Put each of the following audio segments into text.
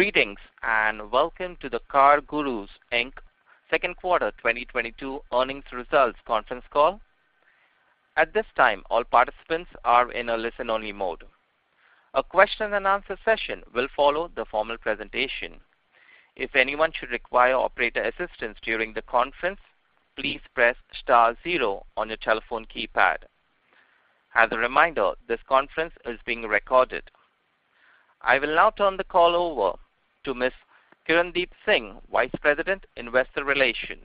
Greetings, and welcome to the CarGurus, Inc., second quarter 2022 earnings results conference call. At this time, all participants are in a listen-only mode. A question and answer session will follow the formal presentation. If anyone should require operator assistance during the conference, please press star zero on your telephone keypad. As a reminder, this conference is being recorded. I will now turn the call over to Ms. Kirndeep Singh, Vice President, Investor Relations.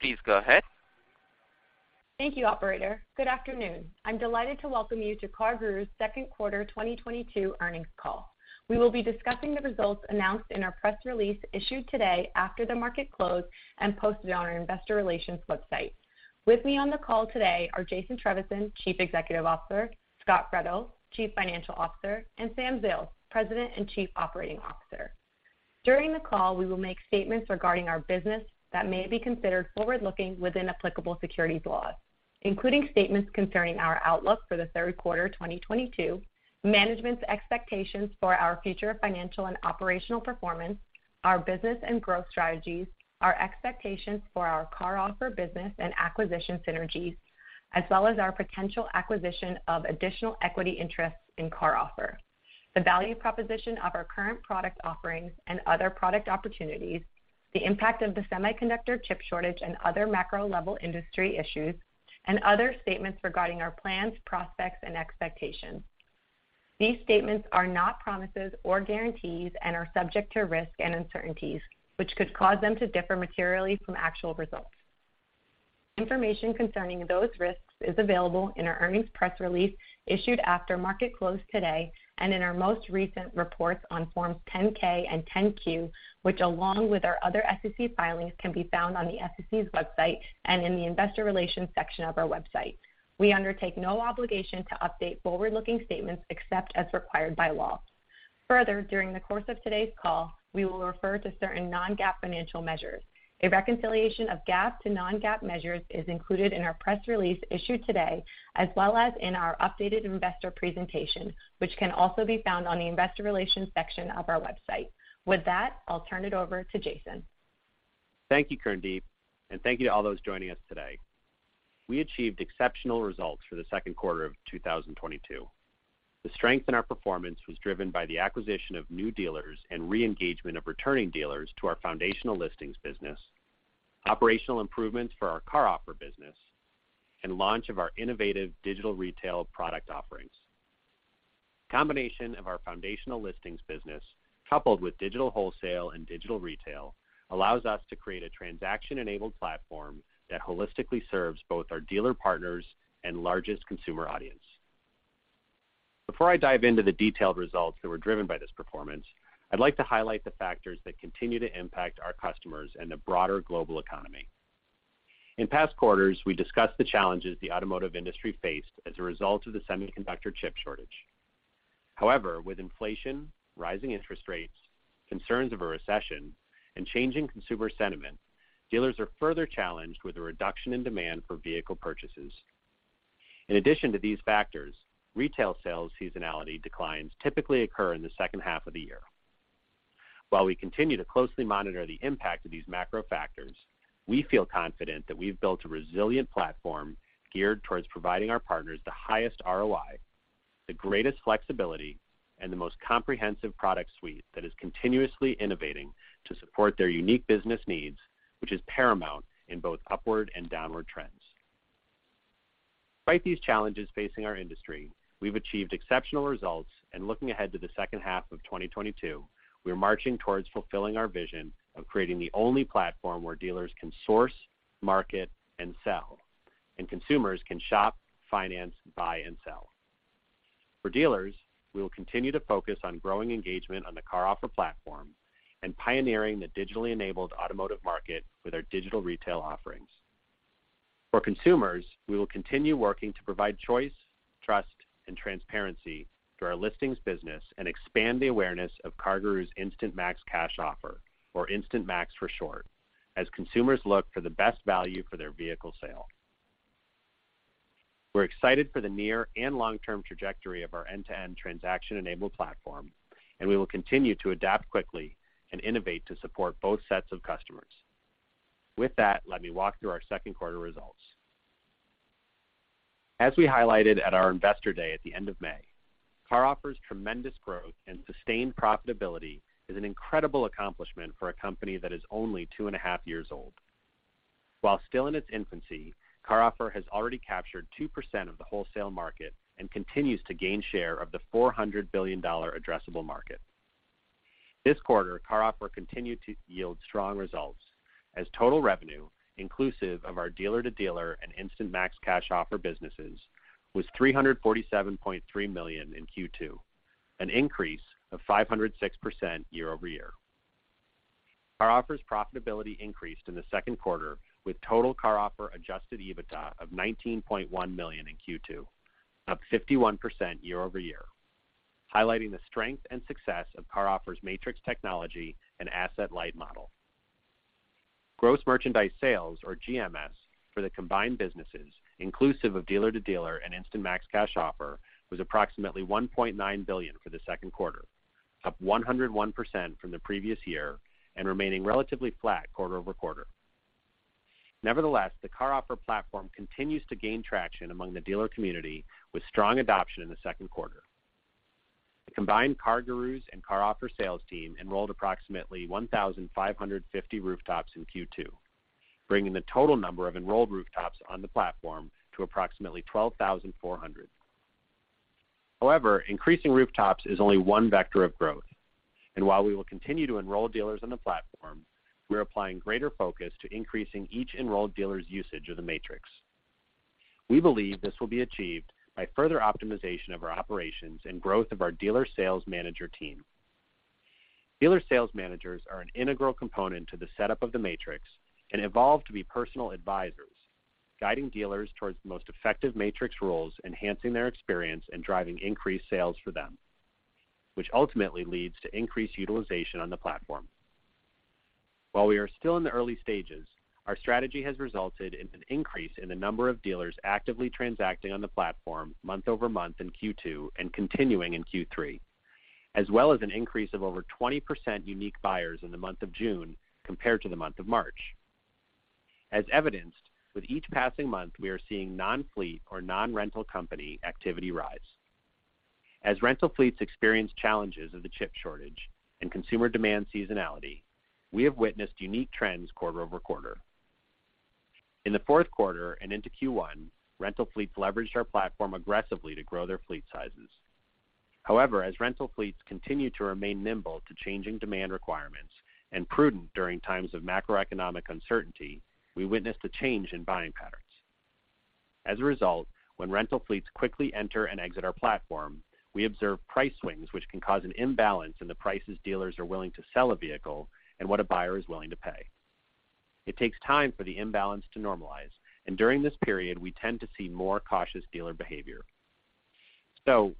Please go ahead. Thank you, operator. Good afternoon. I'm delighted to welcome you to CarGurus second quarter 2022 earnings call. We will be discussing the results announced in our press release issued today after the market closed and posted on our investor relations website. With me on the call today are Jason Trevisan, Chief Executive Officer, Scot Fredo, Chief Financial Officer, and Sam Zales, President and Chief Operating Officer. During the call, we will make statements regarding our business that may be considered forward-looking within applicable securities laws, including statements concerning our outlook for the third quarter 2022, management's expectations for our future financial and operational performance, our business and growth strategies, our expectations for our CarOffer business and acquisition synergies, as well as our potential acquisition of additional equity interests in CarOffer, the value proposition of our current product offerings and other product opportunities, the impact of the semiconductor chip shortage and other macro level industry issues, and other statements regarding our plans, prospects, and expectations. These statements are not promises or guarantees and are subject to risk and uncertainties, which could cause them to differ materially from actual results. Information concerning those risks is available in our earnings press release issued after market close today and in our most recent reports on Form 10-K and Form 10-Q, which along with our other SEC filings can be found on the SEC's website and in the investor relations section of our website. We undertake no obligation to update forward-looking statements except as required by law. Further, during the course of today's call, we will refer to certain non-GAAP financial measures. A reconciliation of GAAP to non-GAAP measures is included in our press release issued today, as well as in our updated investor presentation, which can also be found on the investor relations section of our website. With that, I'll turn it over to Jason. Thank you, Kirndeep, and thank you to all those joining us today. We achieved exceptional results for the second quarter of 2022. The strength in our performance was driven by the acquisition of new dealers and re-engagement of returning dealers to our foundational listings business, operational improvements for our CarOffer business, and launch of our innovative digital retail product offerings. Combination of our foundational listings business coupled with digital wholesale and digital retail allows us to create a transaction-enabled platform that holistically serves both our dealer partners and largest consumer audience. Before I dive into the detailed results that were driven by this performance, I'd like to highlight the factors that continue to impact our customers and the broader global economy. In past quarters, we discussed the challenges the automotive industry faced as a result of the semiconductor chip shortage. However, with inflation, rising interest rates, concerns of a recession, and changing consumer sentiment, dealers are further challenged with a reduction in demand for vehicle purchases. In addition to these factors, retail sales seasonality declines typically occur in the second half of the year. While we continue to closely monitor the impact of these macro factors, we feel confident that we've built a resilient platform geared towards providing our partners the highest ROI, the greatest flexibility, and the most comprehensive product suite that is continuously innovating to support their unique business needs, which is paramount in both upward and downward trends. Despite these challenges facing our industry, we've achieved exceptional results, and looking ahead to the second half of 2022, we're marching towards fulfilling our vision of creating the only platform where dealers can source, market, and sell, and consumers can shop, finance, buy and sell. For dealers, we will continue to focus on growing engagement on the CarOffer platform and pioneering the digitally enabled automotive market with our digital retail offerings. For consumers, we will continue working to provide choice, trust, and transparency through our listings business and expand the awareness of CarGurus Instant Max Cash Offer, or Instant Max for short, as consumers look for the best value for their vehicle sale. We're excited for the near and long-term trajectory of our end-to-end transaction-enabled platform, and we will continue to adapt quickly and innovate to support both sets of customers. With that, let me walk through our second quarter results. As we highlighted at our Investor Day at the end of May, CarOffer's tremendous growth and sustained profitability is an incredible accomplishment for a company that is only two and a half years old. While still in its infancy, CarOffer has already captured 2% of the wholesale market and continues to gain share of the $400 billion addressable market. This quarter, CarOffer continued to yield strong results as total revenue inclusive of our dealer-to-dealer and Instant Max Cash Offer businesses was $347.3 million in Q2, an increase of 506% year-over-year. CarOffer's profitability increased in the second quarter with total CarOffer adjusted EBITDA of $19.1 million in Q2, up 51% year-over-year, highlighting the strength and success of CarOffer's matrix technology and asset light model. Gross merchandise sales, or GMS, for the combined businesses, inclusive of dealer-to-dealer and Instant Max Cash Offer, was approximately $1.9 billion for the second quarter, up 101% from the previous year and remaining relatively flat quarter-over-quarter. Nevertheless, the CarOffer platform continues to gain traction among the dealer community with strong adoption in the second quarter. The combined CarGurus and CarOffer sales team enrolled approximately 1,550 rooftops in Q2, bringing the total number of enrolled rooftops on the platform to approximately 12,400. However, increasing rooftops is only one vector of growth. While we will continue to enroll dealers on the platform, we're applying greater focus to increasing each enrolled dealer's usage of the Matrix. We believe this will be achieved by further optimization of our operations and growth of our dealer sales manager team. Dealer sales managers are an integral component to the setup of the Matrix and evolve to be personal advisors, guiding dealers towards the most effective Matrix roles, enhancing their experience and driving increased sales for them, which ultimately leads to increased utilization on the platform. While we are still in the early stages, our strategy has resulted in an increase in the number of dealers actively transacting on the platform month-over-month in Q2 and continuing in Q3, as well as an increase of over 20% unique buyers in the month of June compared to the month of March. As evidenced, with each passing month, we are seeing non-fleet or non-rental company activity rise. As rental fleets experience challenges of the chip shortage and consumer demand seasonality, we have witnessed unique trends quarter-over-quarter. In the fourth quarter and into Q1, rental fleets leveraged our platform aggressively to grow their fleet sizes. However, as rental fleets continue to remain nimble to changing demand requirements and prudent during times of macroeconomic uncertainty, we witnessed a change in buying patterns. As a result, when rental fleets quickly enter and exit our platform, we observe price swings which can cause an imbalance in the prices dealers are willing to sell a vehicle and what a buyer is willing to pay. It takes time for the imbalance to normalize, and during this period, we tend to see more cautious dealer behavior.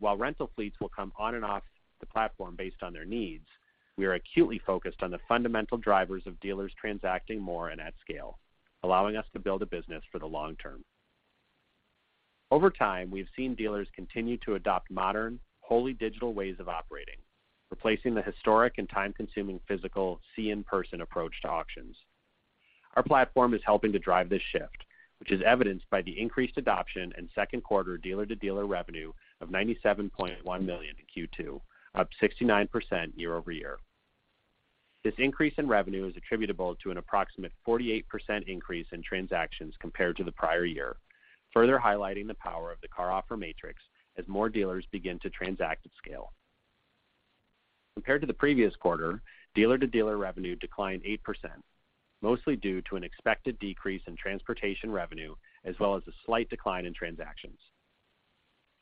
While rental fleets will come on and off the platform based on their needs, we are acutely focused on the fundamental drivers of dealers transacting more and at scale, allowing us to build a business for the long term. Over time, we have seen dealers continue to adopt modern, wholly digital ways of operating, replacing the historic and time-consuming physical in-person approach to auctions. Our platform is helping to drive this shift, which is evidenced by the increased adoption and second quarter dealer-to-dealer revenue of $97.1 million in Q2, up 69% year-over-year. This increase in revenue is attributable to an approximate 48% increase in transactions compared to the prior year, further highlighting the power of the Buying Matrix as more dealers begin to transact at scale. Compared to the previous quarter, dealer-to-dealer revenue declined 8%, mostly due to an expected decrease in transportation revenue as well as a slight decline in transactions.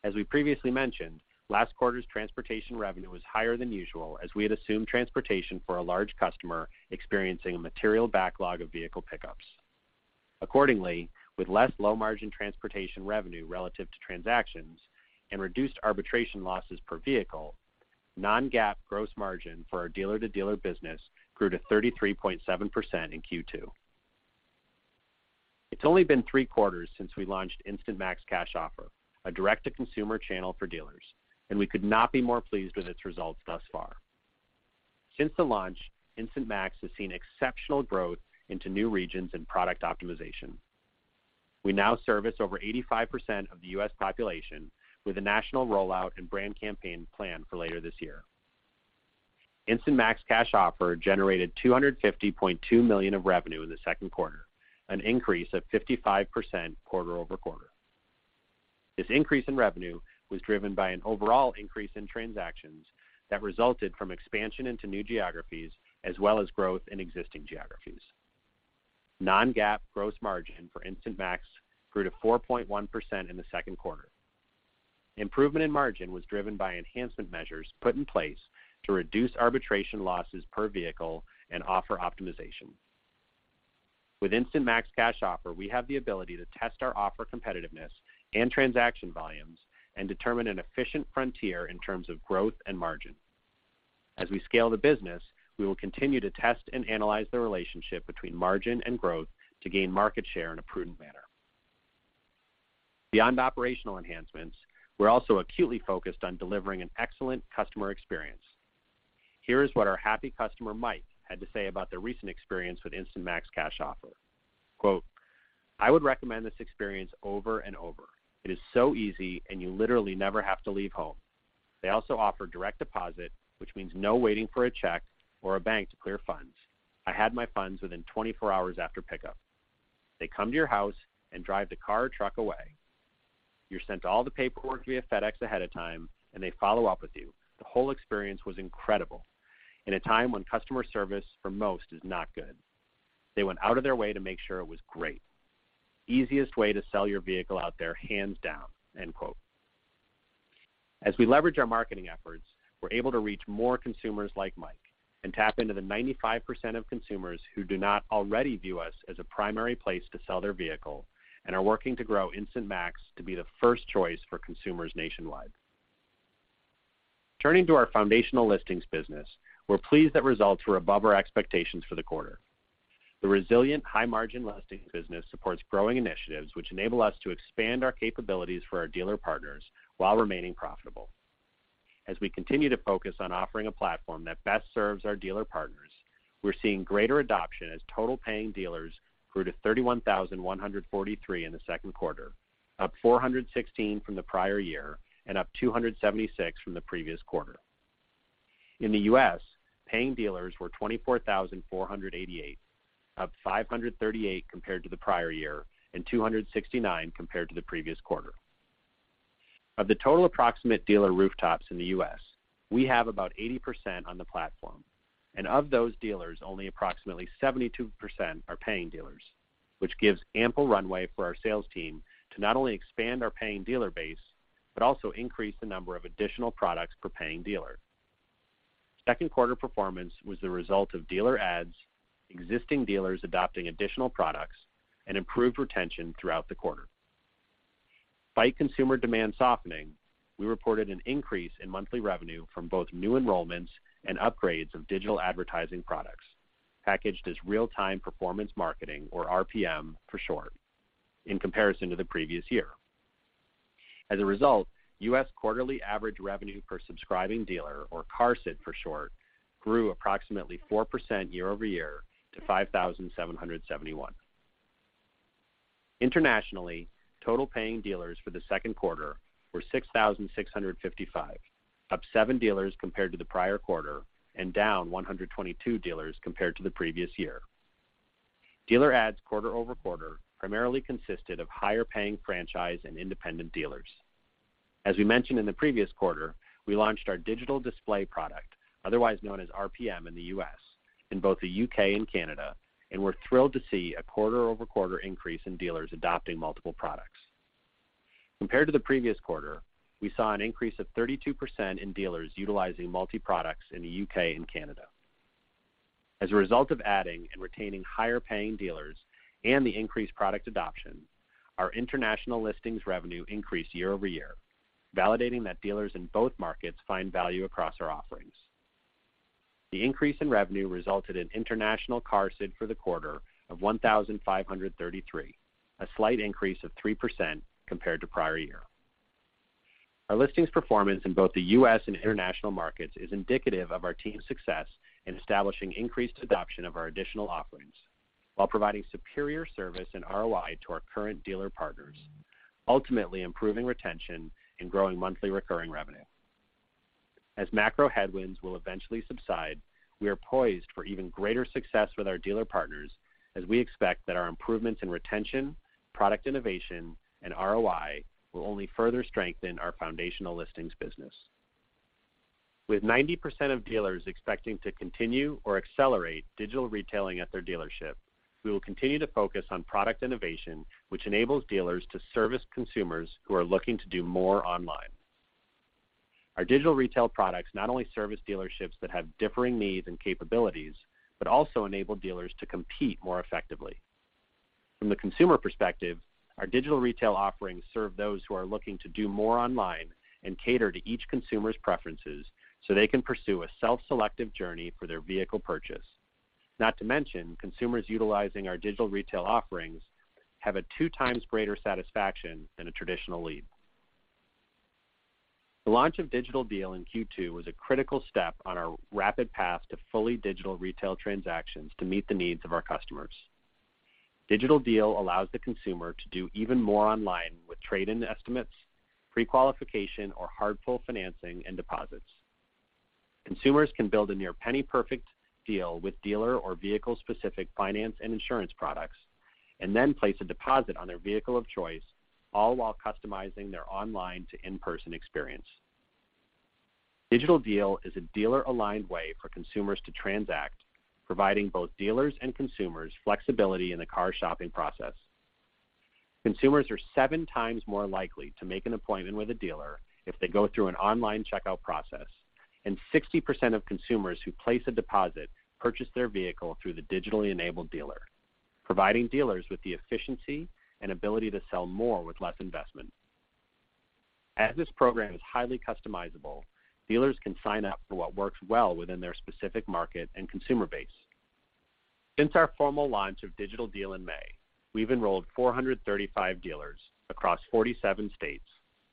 As we previously mentioned, last quarter's transportation revenue was higher than usual as we had assumed transportation for a large customer experiencing a material backlog of vehicle pickups. Accordingly, with less low-margin transportation revenue relative to transactions and reduced arbitration losses per vehicle, non-GAAP gross margin for our dealer-to-dealer business grew to 33.7% in Q2. It's only been 3 quarters since we launched Instant Max Cash Offer, a direct-to-consumer channel for dealers, and we could not be more pleased with its results thus far. Since the launch, Instant Max has seen exceptional growth into new regions and product optimization. We now service over 85% of the U.S. Population with a national rollout and brand campaign planned for later this year. Instant Max Cash Offer generated $250.2 million of revenue in the second quarter, an increase of 55% quarter-over-quarter. This increase in revenue was driven by an overall increase in transactions that resulted from expansion into new geographies as well as growth in existing geographies. Non-GAAP gross margin for Instant Max grew to 4.1% in the second quarter. Improvement in margin was driven by enhancement measures put in place to reduce arbitration losses per vehicle and offer optimization. With Instant Max Cash Offer, we have the ability to test our offer competitiveness and transaction volumes and determine an efficient frontier in terms of growth and margin. As we scale the business, we will continue to test and analyze the relationship between margin and growth to gain market share in a prudent manner. Beyond operational enhancements, we're also acutely focused on delivering an excellent customer experience. Here is what our happy customer Mike had to say about the recent experience with Instant Max Cash Offer. Quote, I would recommend this experience over and over. It is so easy and you literally never have to leave home. They also offer direct deposit, which means no waiting for a check or a bank to clear funds. I had my funds within 24 hours after pickup. They come to your house and drive the car or truck away. You're sent all the paperwork via FedEx ahead of time and they follow up with you. The whole experience was incredible. In a time when customer service for most is not good, they went out of their way to make sure it was great. Easiest way to sell your vehicle out there, hands down. End quote. As we leverage our marketing efforts, we're able to reach more consumers like Mike and tap into the 95% of consumers who do not already view us as a primary place to sell their vehicle and are working to grow Instant Max to be the first choice for consumers nationwide. Turning to our foundational listings business, we're pleased that results were above our expectations for the quarter. The resilient high-margin listings business supports growing initiatives which enable us to expand our capabilities for our dealer partners while remaining profitable. As we continue to focus on offering a platform that best serves our dealer partners, we're seeing greater adoption as total paying dealers grew to 31,143 in the second quarter, up 416 from the prior year and up 276 from the previous quarter. In the U.S., paying dealers were 24,488, up 538 compared to the prior year and 269 compared to the previous quarter. Of the total approximate dealer rooftops in the U.S., we have about 80% on the platform, and of those dealers, only approximately 72% are paying dealers, which gives ample runway for our sales team to not only expand our paying dealer base, but also increase the number of additional products per paying dealer. Second quarter performance was the result of dealer ads, existing dealers adopting additional products, and improved retention throughout the quarter. Despite consumer demand softening, we reported an increase in monthly revenue from both new enrollments and upgrades of digital advertising products, packaged as Real-time Performance Marketing or RPM for short, in comparison to the previous year. As a result, U.S. quarterly average revenue per subscribing dealer or QARSD for short, grew approximately 4% year-over-year to $5,771. Internationally, total paying dealers for the second quarter were 6,655, up 7 dealers compared to the prior quarter and down 122 dealers compared to the previous year. Dealer ads quarter-over-quarter primarily consisted of higher paying franchise and independent dealers. As we mentioned in the previous quarter, we launched our digital display product, otherwise known as RPM in the U.S., in both the U.K. and Canada, and we're thrilled to see a quarter-over-quarter increase in dealers adopting multiple products. Compared to the previous quarter, we saw an increase of 32% in dealers utilizing multi-products in the U.K. and Canada. As a result of adding and retaining higher paying dealers and the increased product adoption, our international listings revenue increased year-over-year, validating that dealers in both markets find value across our offerings. The increase in revenue resulted in international QARSD for the quarter of $1,533, a slight increase of 3% compared to prior year. Our listings performance in both the U.S. and international markets is indicative of our team's success in establishing increased adoption of our additional offerings while providing superior service and ROI to our current dealer partners, ultimately improving retention and growing monthly recurring revenue. As macro headwinds will eventually subside, we are poised for even greater success with our dealer partners as we expect that our improvements in retention, product innovation, and ROI will only further strengthen our foundational listings business. With 90% of dealers expecting to continue or accelerate digital retailing at their dealership, we will continue to focus on product innovation, which enables dealers to service consumers who are looking to do more online. Our digital retail products not only service dealerships that have differing needs and capabilities, but also enable dealers to compete more effectively. From the consumer perspective, our digital retail offerings serve those who are looking to do more online and cater to each consumer's preferences so they can pursue a self-selective journey for their vehicle purchase. Not to mention, consumers utilizing our digital retail offerings have a two times greater satisfaction than a traditional lead. The launch of Digital Deal in Q2 was a critical step on our rapid path to fully digital retail transactions to meet the needs of our customers. Digital Deal allows the consumer to do even more online with trade-in estimates, pre-qualification or hard pull financing and deposits. Consumers can build a near penny perfect deal with dealer or vehicle-specific finance and insurance products, and then place a deposit on their vehicle of choice, all while customizing their online-to-in-person experience. Digital Deal is a dealer-aligned way for consumers to transact, providing both dealers and consumers flexibility in the car shopping process. Consumers are 7 times more likely to make an appointment with a dealer if they go through an online checkout process, and 60% of consumers who place a deposit purchase their vehicle through the digitally enabled dealer, providing dealers with the efficiency and ability to sell more with less investment. As this program is highly customizable, dealers can sign up for what works well within their specific market and consumer base. Since our formal launch of Digital Deal in May, we've enrolled 435 dealers across 47 states,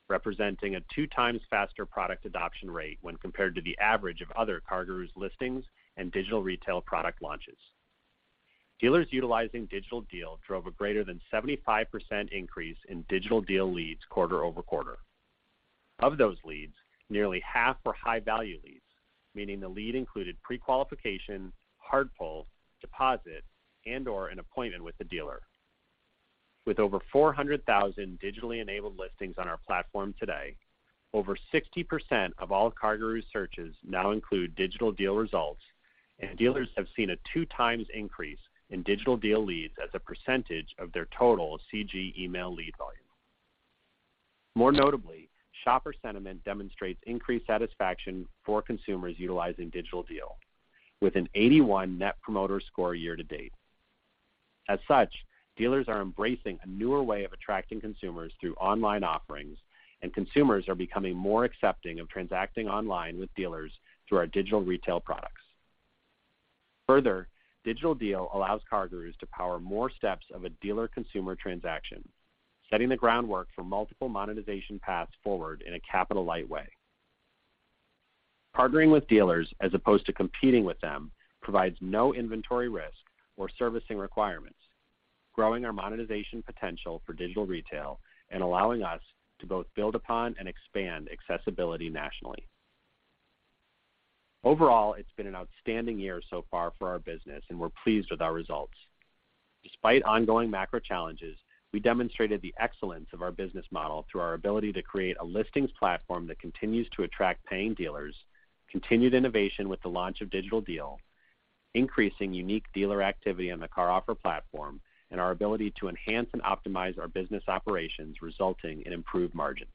representing a 2 times faster product adoption rate when compared to the average of other CarGurus listings and digital retail product launches. Dealers utilizing Digital Deal drove a greater than 75% increase in Digital Deal leads quarter-over-quarter. Of those leads, nearly half were high-value leads, meaning the lead included pre-qualification, hard pull, deposit, and/or an appointment with the dealer. With over 400,000 digitally enabled listings on our platform today, over 60% of all CarGurus searches now include Digital Deal results, and dealers have seen a 2x increase in Digital Deal leads as a percentage of their total CG email lead volume. More notably, shopper sentiment demonstrates increased satisfaction for consumers utilizing Digital Deal with an 81 net promoter score year to date. As such, dealers are embracing a newer way of attracting consumers through online offerings, and consumers are becoming more accepting of transacting online with dealers through our digital retail products. Further, Digital Deal allows CarGurus to power more steps of a dealer-consumer transaction, setting the groundwork for multiple monetization paths forward in a capital-light way. Partnering with dealers as opposed to competing with them provides no inventory risk or servicing requirements, growing our monetization potential for digital retail and allowing us to both build upon and expand accessibility nationally. Overall, it's been an outstanding year so far for our business, and we're pleased with our results. Despite ongoing macro challenges, we demonstrated the excellence of our business model through our ability to create a listings platform that continues to attract paying dealers, continued innovation with the launch of Digital Deal, increasing unique dealer activity on the CarOffer platform, and our ability to enhance and optimize our business operations, resulting in improved margins.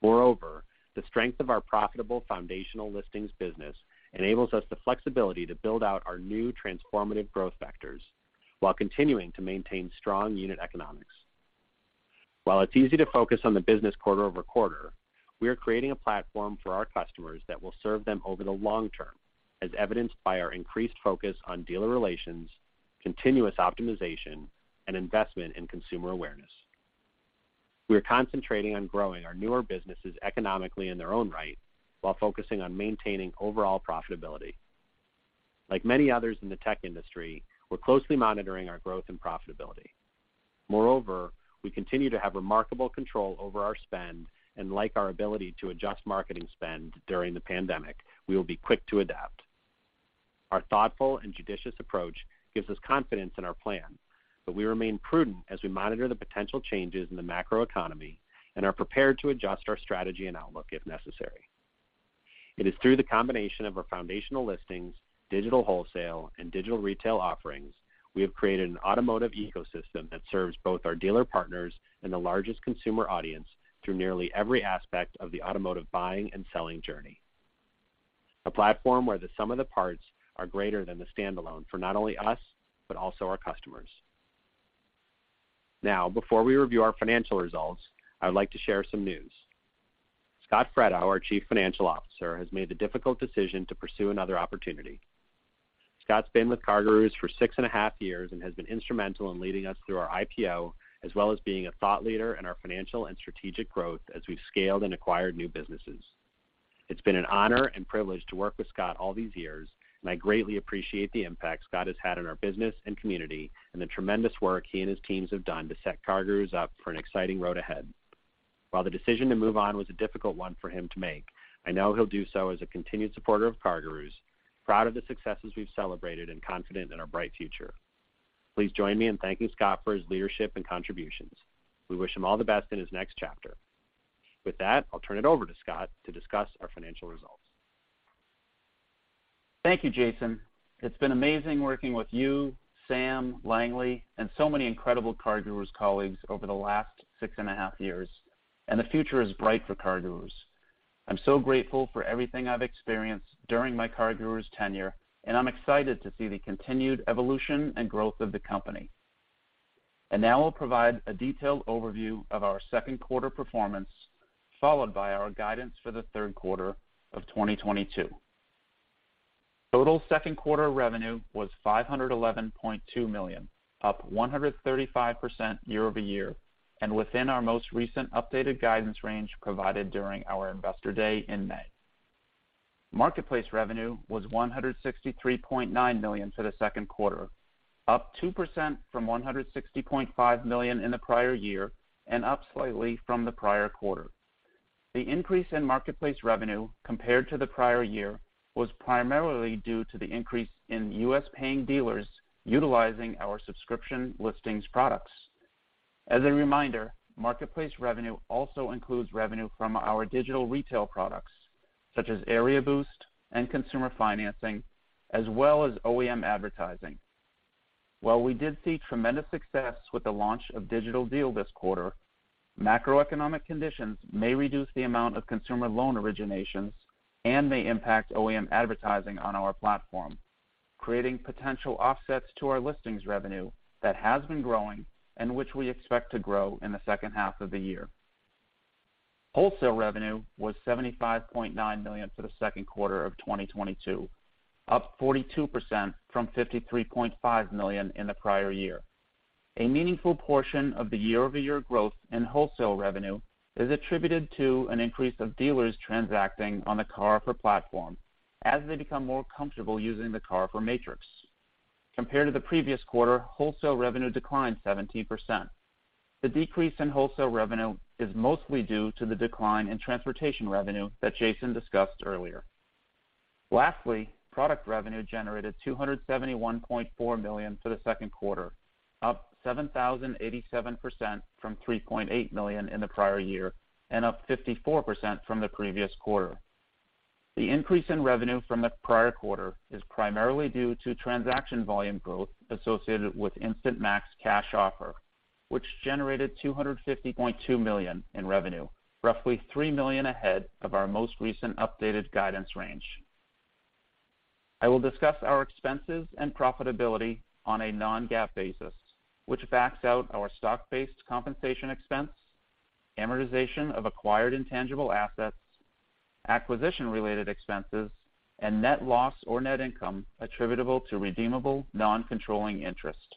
Moreover, the strength of our profitable foundational listings business enables us the flexibility to build out our new transformative growth vectors while continuing to maintain strong unit economics. While it's easy to focus on the business quarter over quarter, we are creating a platform for our customers that will serve them over the long term, as evidenced by our increased focus on dealer relations, continuous optimization, and investment in consumer awareness. We are concentrating on growing our newer businesses economically in their own right while focusing on maintaining overall profitability. Like many others in the tech industry, we're closely monitoring our growth and profitability. Moreover, we continue to have remarkable control over our spend, and like our ability to adjust marketing spend during the pandemic, we will be quick to adapt. Our thoughtful and judicious approach gives us confidence in our plan, but we remain prudent as we monitor the potential changes in the macroeconomy and are prepared to adjust our strategy and outlook if necessary. It is through the combination of our foundational listings, digital wholesale, and digital retail offerings, we have created an automotive ecosystem that serves both our dealer partners and the largest consumer audience through nearly every aspect of the automotive buying and selling journey. A platform where the sum of the parts are greater than the standalone for not only us, but also our customers. Now, before we review our financial results, I would like to share some news. Scot Fredo, our Chief Financial Officer, has made the difficult decision to pursue another opportunity. Scot's been with CarGurus for six and a half years and has been instrumental in leading us through our IPO, as well as being a thought leader in our financial and strategic growth as we've scaled and acquired new businesses. It's been an honor and privilege to work with Scot all these years, and I greatly appreciate the impact Scot has had in our business and community and the tremendous work he and his teams have done to set CarGurus up for an exciting road ahead. While the decision to move on was a difficult one for him to make, I know he'll do so as a continued supporter of CarGurus, proud of the successes we've celebrated and confident in our bright future. Please join me in thanking Scot for his leadership and contributions. We wish him all the best in his next chapter. With that, I'll turn it over to Scot to discuss our financial results. Thank you, Jason. It's been amazing working with you, Sam, Langley, and so many incredible CarGurus colleagues over the last 6.5 years, and the future is bright for CarGurus. I'm so grateful for everything I've experienced during my CarGurus tenure, and I'm excited to see the continued evolution and growth of the company. Now I'll provide a detailed overview of our second quarter performance, followed by our guidance for the third quarter of 2022. Total second quarter revenue was $511.2 million, up 135% year-over-year and within our most recent updated guidance range provided during our Investor Day in May. Marketplace revenue was $163.9 million for the second quarter, up 2% from $160.5 million in the prior year and up slightly from the prior quarter. The increase in marketplace revenue compared to the prior year was primarily due to the increase in U.S. paying dealers utilizing our subscription listings products. As a reminder, marketplace revenue also includes revenue from our digital retail products, such as Area Boost and consumer financing, as well as OEM advertising. While we did see tremendous success with the launch of Digital Deal this quarter, macroeconomic conditions may reduce the amount of consumer loan originations and may impact OEM advertising on our platform, creating potential offsets to our listings revenue that has been growing and which we expect to grow in the second half of the year. Wholesale revenue was $75.9 million for the second quarter of 2022, up 42% from $53.5 million in the prior year. A meaningful portion of the year-over-year growth in wholesale revenue is attributed to an increase of dealers transacting on the CarOffer platform as they become more comfortable using the CarOffer matrix. Compared to the previous quarter, wholesale revenue declined 17%. The decrease in wholesale revenue is mostly due to the decline in transportation revenue that Jason discussed earlier. Lastly, product revenue generated $271.4 million for the second quarter, up 7,087% from $3.8 million in the prior year and up 54% from the previous quarter. The increase in revenue from the prior quarter is primarily due to transaction volume growth associated with Instant Max Cash Offer, which generated $250.2 million in revenue, roughly $3 million ahead of our most recent updated guidance range. I will discuss our expenses and profitability on a non-GAAP basis, which backs out our stock-based compensation expense, amortization of acquired intangible assets, acquisition-related expenses, and net loss or net income attributable to redeemable non-controlling interest.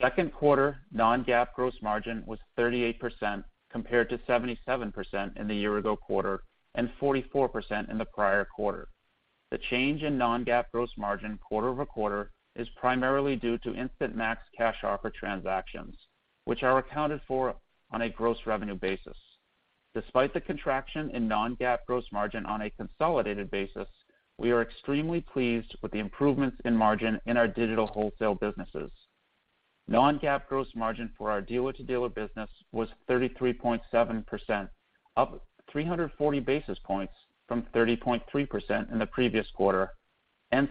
Second quarter non-GAAP gross margin was 38% compared to 77% in the year-ago quarter and 44% in the prior quarter. The change in non-GAAP gross margin quarter-over-quarter is primarily due to Instant Max Cash Offer transactions, which are accounted for on a gross revenue basis. Despite the contraction in non-GAAP gross margin on a consolidated basis, we are extremely pleased with the improvements in margin in our digital wholesale businesses. Non-GAAP gross margin for our dealer-to-dealer business was 33.7%, up 340 basis points from 30.3% in the previous quarter.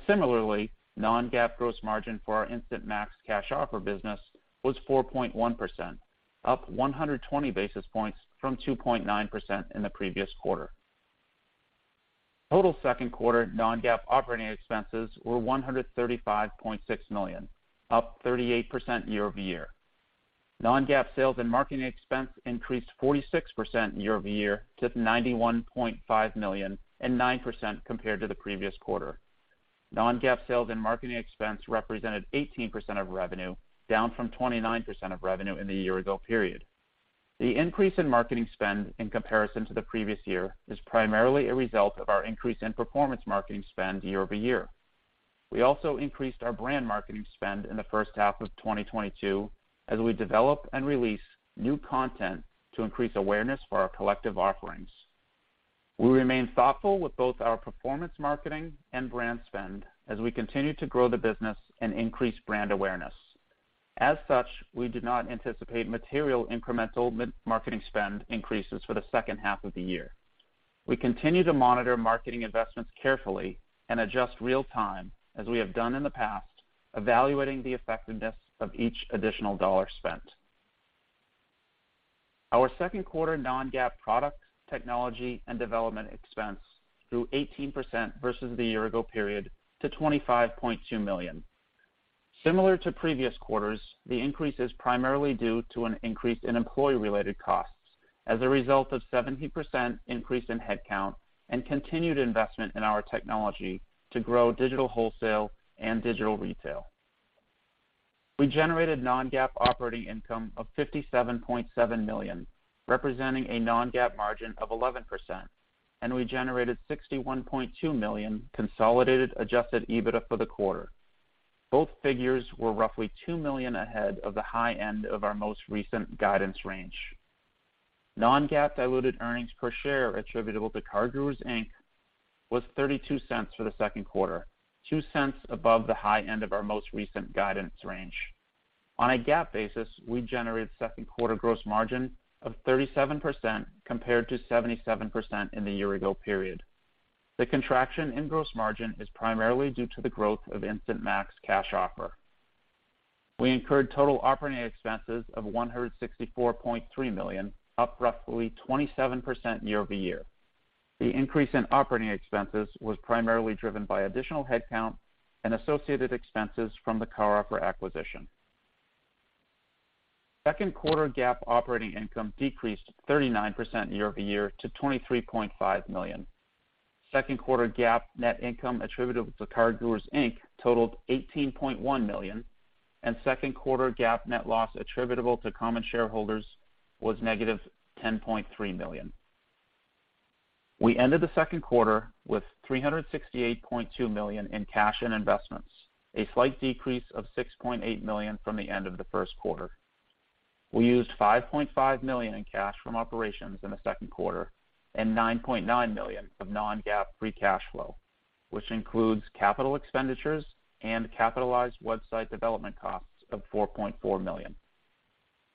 Similarly, non-GAAP gross margin for our Instant Max Cash Offer business was 4.1%, up 120 basis points from 2.9% in the previous quarter. Total second quarter non-GAAP operating expenses were $135.6 million, up 38% year-over-year. Non-GAAP sales and marketing expense increased 46% year-over-year to $91.5 million and 9% compared to the previous quarter. Non-GAAP sales and marketing expense represented 18% of revenue, down from 29% of revenue in the year ago period. The increase in marketing spend in comparison to the previous year is primarily a result of our increase in performance marketing spend year-over-year. We also increased our brand marketing spend in the first half of 2022 as we develop and release new content to increase awareness for our collective offerings. We remain thoughtful with both our performance marketing and brand spend as we continue to grow the business and increase brand awareness. As such, we do not anticipate material incremental marketing spend increases for the second half of the year. We continue to monitor marketing investments carefully and adjust real-time as we have done in the past, evaluating the effectiveness of each additional dollar spent. Our second quarter non-GAAP product, technology, and development expense grew 18% versus the year ago period to $25.2 million. Similar to previous quarters, the increase is primarily due to an increase in employee-related costs as a result of 70% increase in headcount and continued investment in our technology to grow digital wholesale and digital retail. We generated non-GAAP operating income of $57.7 million, representing a non-GAAP margin of 11%, and we generated $61.2 million consolidated adjusted EBITDA for the quarter. Both figures were roughly $2 million ahead of the high end of our most recent guidance range. Non-GAAP diluted earnings per share attributable to CarGurus, Inc. was $0.32 for the second quarter, $0.02 above the high end of our most recent guidance range. On a GAAP basis, we generated second quarter gross margin of 37% compared to 77% in the year ago period. The contraction in gross margin is primarily due to the growth of Instant Max Cash Offer. We incurred total operating expenses of $164.3 million, up roughly 27% year-over-year. The increase in operating expenses was primarily driven by additional headcount and associated expenses from the CarOffer acquisition. Second quarter GAAP operating income decreased 39% year-over-year to $23.5 million. Second quarter GAAP net income attributable to CarGurus, Inc. totaled $18.1 million, and second quarter GAAP net loss attributable to common shareholders was -$10.3 million. We ended the second quarter with $368.2 million in cash and investments, a slight decrease of $6.8 million from the end of the first quarter. We used $5.5 million in cash from operations in the second quarter and $9.9 million of non-GAAP free cash flow, which includes capital expenditures and capitalized website development costs of $4.4 million.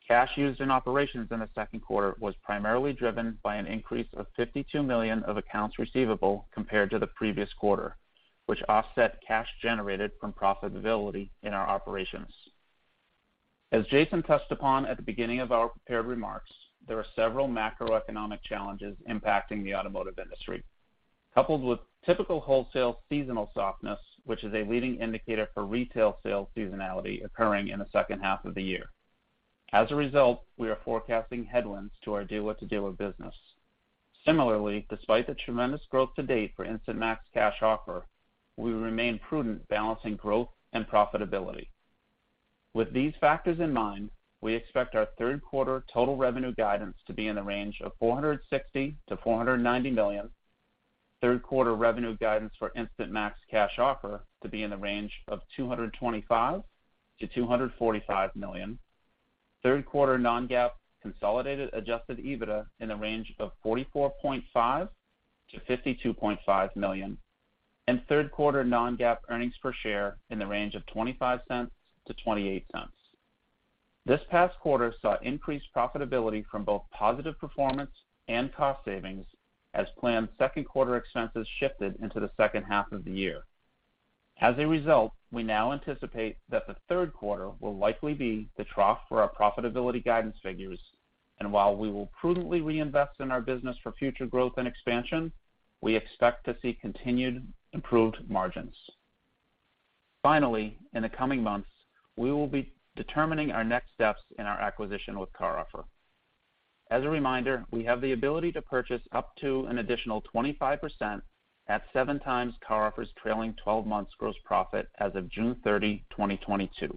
Cash used in operations in the second quarter was primarily driven by an increase of $52 million of accounts receivable compared to the previous quarter, which offset cash generated from profitability in our operations. As Jason touched upon at the beginning of our prepared remarks, there are several macroeconomic challenges impacting the automotive industry, coupled with typical wholesale seasonal softness, which is a leading indicator for retail sales seasonality occurring in the second half of the year. As a result, we are forecasting headwinds to our dealer-to-dealer business. Similarly, despite the tremendous growth to date for Instant Max Cash Offer, we remain prudent balancing growth and profitability. With these factors in mind, we expect our third quarter total revenue guidance to be in the range of $460 million-$490 million, third quarter revenue guidance for Instant Max Cash Offer to be in the range of $225 million-$245 million, third quarter non-GAAP consolidated adjusted EBITDA in the range of $44.5 million-$52.5 million, and third quarter non-GAAP earnings per share in the range of $0.25-$0.28. This past quarter saw increased profitability from both positive performance and cost savings as planned second quarter expenses shifted into the second half of the year. As a result, we now anticipate that the third quarter will likely be the trough for our profitability guidance figures. While we will prudently reinvest in our business for future growth and expansion, we expect to see continued improved margins. Finally, in the coming months, we will be determining our next steps in our acquisition with CarOffer. As a reminder, we have the ability to purchase up to an additional 25% at 7x CarOffer's trailing 12 months gross profit as of June 30, 2022.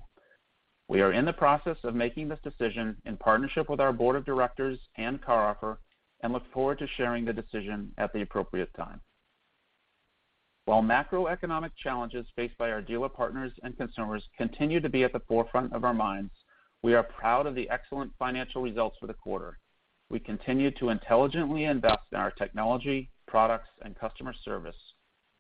We are in the process of making this decision in partnership with our board of directors and CarOffer and look forward to sharing the decision at the appropriate time. While macroeconomic challenges faced by our dealer partners and consumers continue to be at the forefront of our minds, we are proud of the excellent financial results for the quarter. We continue to intelligently invest in our technology, products, and customer service,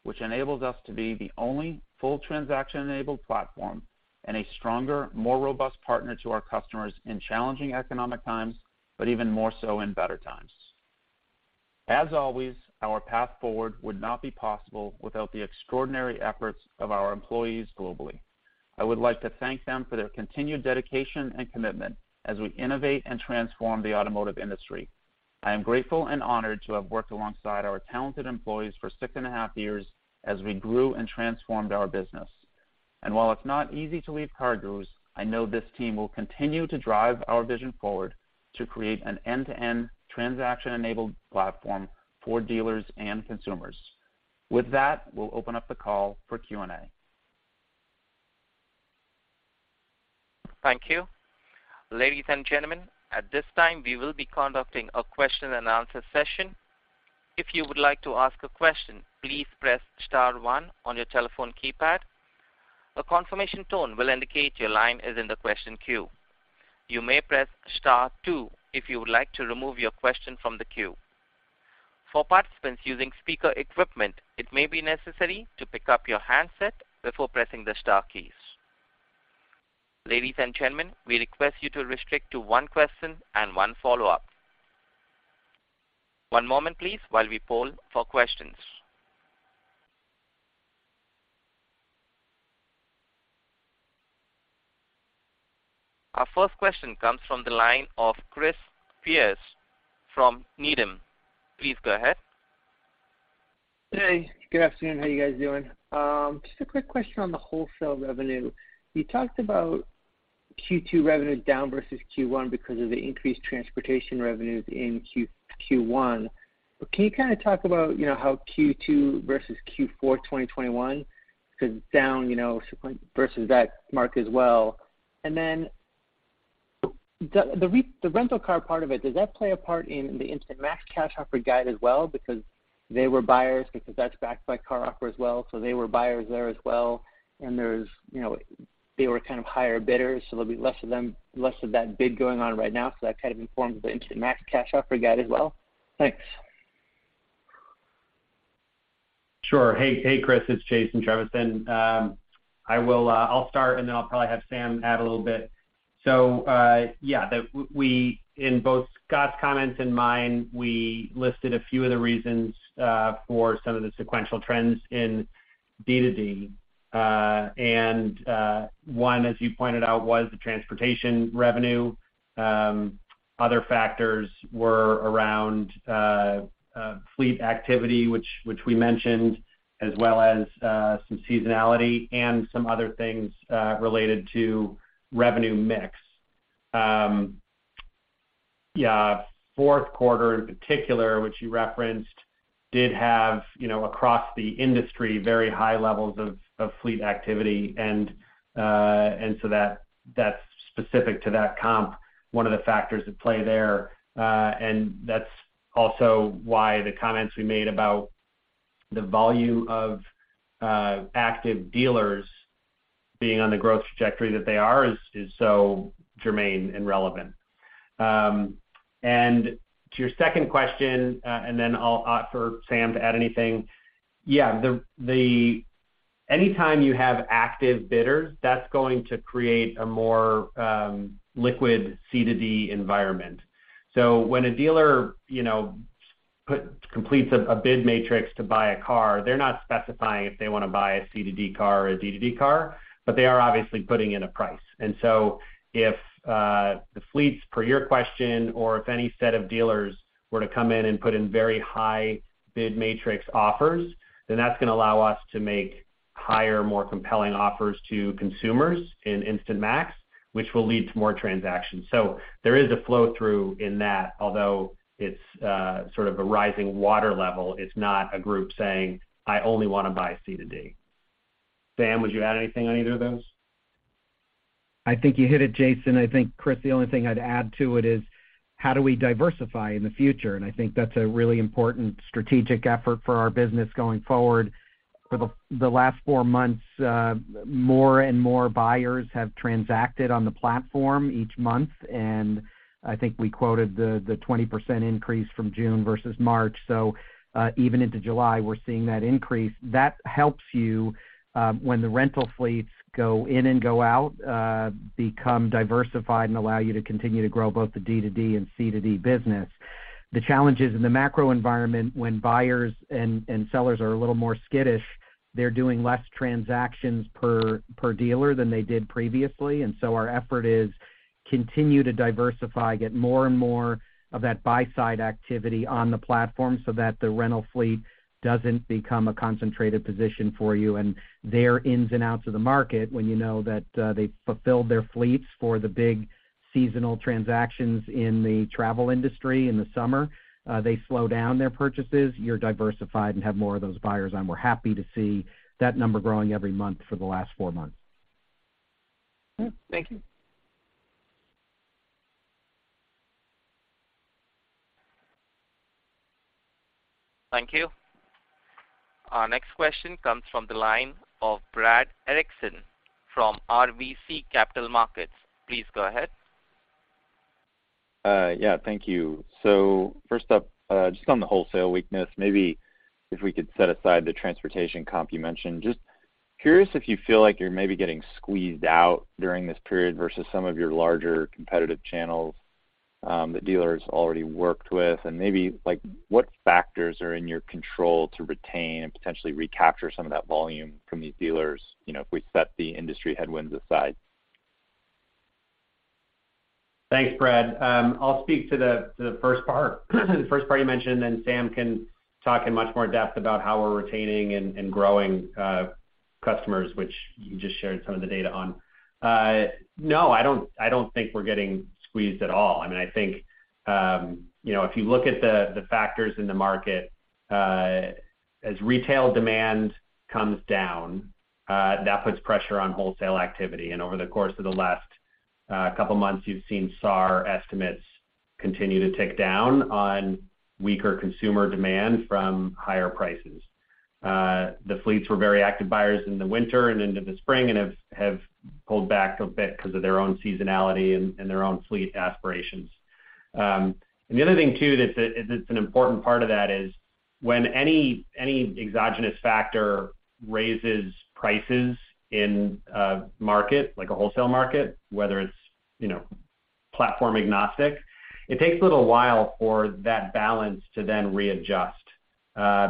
which enables us to be the only full transaction-enabled platform and a stronger, more robust partner to our customers in challenging economic times, but even more so in better times. As always, our path forward would not be possible without the extraordinary efforts of our employees globally. I would like to thank them for their continued dedication and commitment as we innovate and transform the automotive industry. I am grateful and honored to have worked alongside our talented employees for six and a half years as we grew and transformed our business. While it's not easy to leave CarGurus, I know this team will continue to drive our vision forward to create an end-to-end transaction-enabled platform for dealers and consumers. With that, we'll open up the call for Q&A. Thank you. Ladies and gentlemen, at this time, we will be conducting a question and answer session. If you would like to ask a question, please press star one on your telephone keypad. A confirmation tone will indicate your line is in the question queue. You may press star two if you would like to remove your question from the queue. For participants using speaker equipment, it may be necessary to pick up your handset before pressing the star keys. Ladies and gentlemen, we request you to restrict to one question and one follow-up. One moment, please, while we poll for questions. Our first question comes from the line of Chris Pierce from Needham. Please go ahead. Hey, good afternoon. How you guys doing? Just a quick question on the wholesale revenue. You talked about Q2 revenue down versus Q1 because of the increased transportation revenues in Q1. Can you kind of talk about, you know, how Q2 versus Q4 2021 could down, you know, versus that mark as well? The rental car part of it, does that play a part in the Instant Max Cash Offer guide as well? Because they were buyers because that's backed by CarOffer as well. They were buyers there as well. There's, you know, they were kind of higher bidders, so there'll be less of them, less of that bid going on right now. That kind of informs the Instant Max Cash Offer guide as well. Thanks. Sure. Hey Chris, it's Jason Trevisan. I will, I'll start, and then I'll probably have Sam add a little bit. Yeah, we, in both Scot's comments and mine, we listed a few of the reasons for some of the sequential trends in D2D. One, as you pointed out, was the transportation revenue. Other factors were around fleet activity, which we mentioned, as well as some seasonality and some other things related to revenue mix. Yeah, fourth quarter in particular, which you referenced, did have, you know, across the industry, very high levels of fleet activity. So that's specific to that comp, one of the factors at play there. That's also why the comments we made about the volume of active dealers being on the growth trajectory that they are is so germane and relevant. To your second question, then I'll ask for Sam to add anything. Yeah, anytime you have active bidders, that's going to create a more liquid C2D environment. So when a dealer, you know, completes a Buying Matrix to buy a car, they're not specifying if they want to buy a C2D car or a D2D car, but they are obviously putting in a price. If the fleets per your question, or if any set of dealers were to come in and put in very high Buying Matrix offers, then that's going to allow us to make higher, more compelling offers to consumers in Instant Max, which will lead to more transactions. There is a flow through in that, although it's sort of a rising water level. It's not a group saying, "I only want to buy a C2D." Sam, would you add anything on either of those? I think you hit it, Jason. I think, Chris, the only thing I'd add to it is how do we diversify in the future? I think that's a really important strategic effort for our business going forward. For the last four months, more and more buyers have transacted on the platform each month. I think we quoted the 20% increase from June versus March. Even into July, we're seeing that increase. That helps you when the rental fleets go in and go out become diversified and allow you to continue to grow both the D2D and C2D business. The challenges in the macro environment when buyers and sellers are a little more skittish, they're doing less transactions per dealer than they did previously. Our effort is continue to diversify, get more and more of that buy-side activity on the platform so that the rental fleet doesn't become a concentrated position for you. Their ins and outs of the market when you know that, they fulfill their fleets for the big seasonal transactions in the travel industry in the summer, they slow down their purchases. You're diversified and have more of those buyers, and we're happy to see that number growing every month for the last four months. Thank you. Thank you. Our next question comes from the line of Brad Erickson from RBC Capital Markets. Please go ahead. Yeah, thank you. First up, just on the wholesale weakness, maybe if we could set aside the transportation comp you mentioned. Just curious if you feel like you're maybe getting squeezed out during this period versus some of your larger competitive channels, that dealers already worked with. Maybe like what factors are in your control to retain and potentially recapture some of that volume from these dealers, you know, if we set the industry headwinds aside? Thanks, Brad. I'll speak to the first part you mentioned, and Sam can talk in much more depth about how we're retaining and growing customers, which you just shared some of the data on. No, I don't think we're getting squeezed at all. I mean, I think, you know, if you look at the factors in the market, as retail demand comes down, that puts pressure on wholesale activity. Over the course of the last couple months, you've seen SAAR estimates continue to tick down on weaker consumer demand from higher prices. The fleets were very active buyers in the winter and into the spring and have pulled back a bit 'cause of their own seasonality and their own fleet aspirations. The other thing too that's an important part of that is when any exogenous factor raises prices in a market, like a wholesale market, whether it's, you know, platform agnostic, it takes a little while for that balance to then readjust.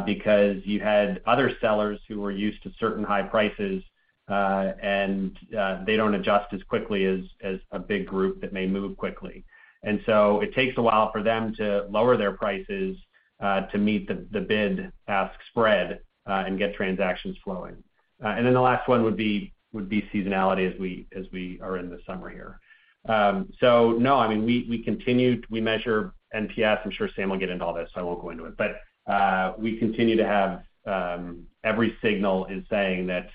Because you had other sellers who were used to certain high prices, and they don't adjust as quickly as a big group that may move quickly. It takes a while for them to lower their prices to meet the bid-ask spread and get transactions flowing. The last one would be seasonality as we are in the summer here. No, I mean, we continue to measure NPS. I'm sure Sam will get into all this, so I won't go into it. We continue to have every signal indicating that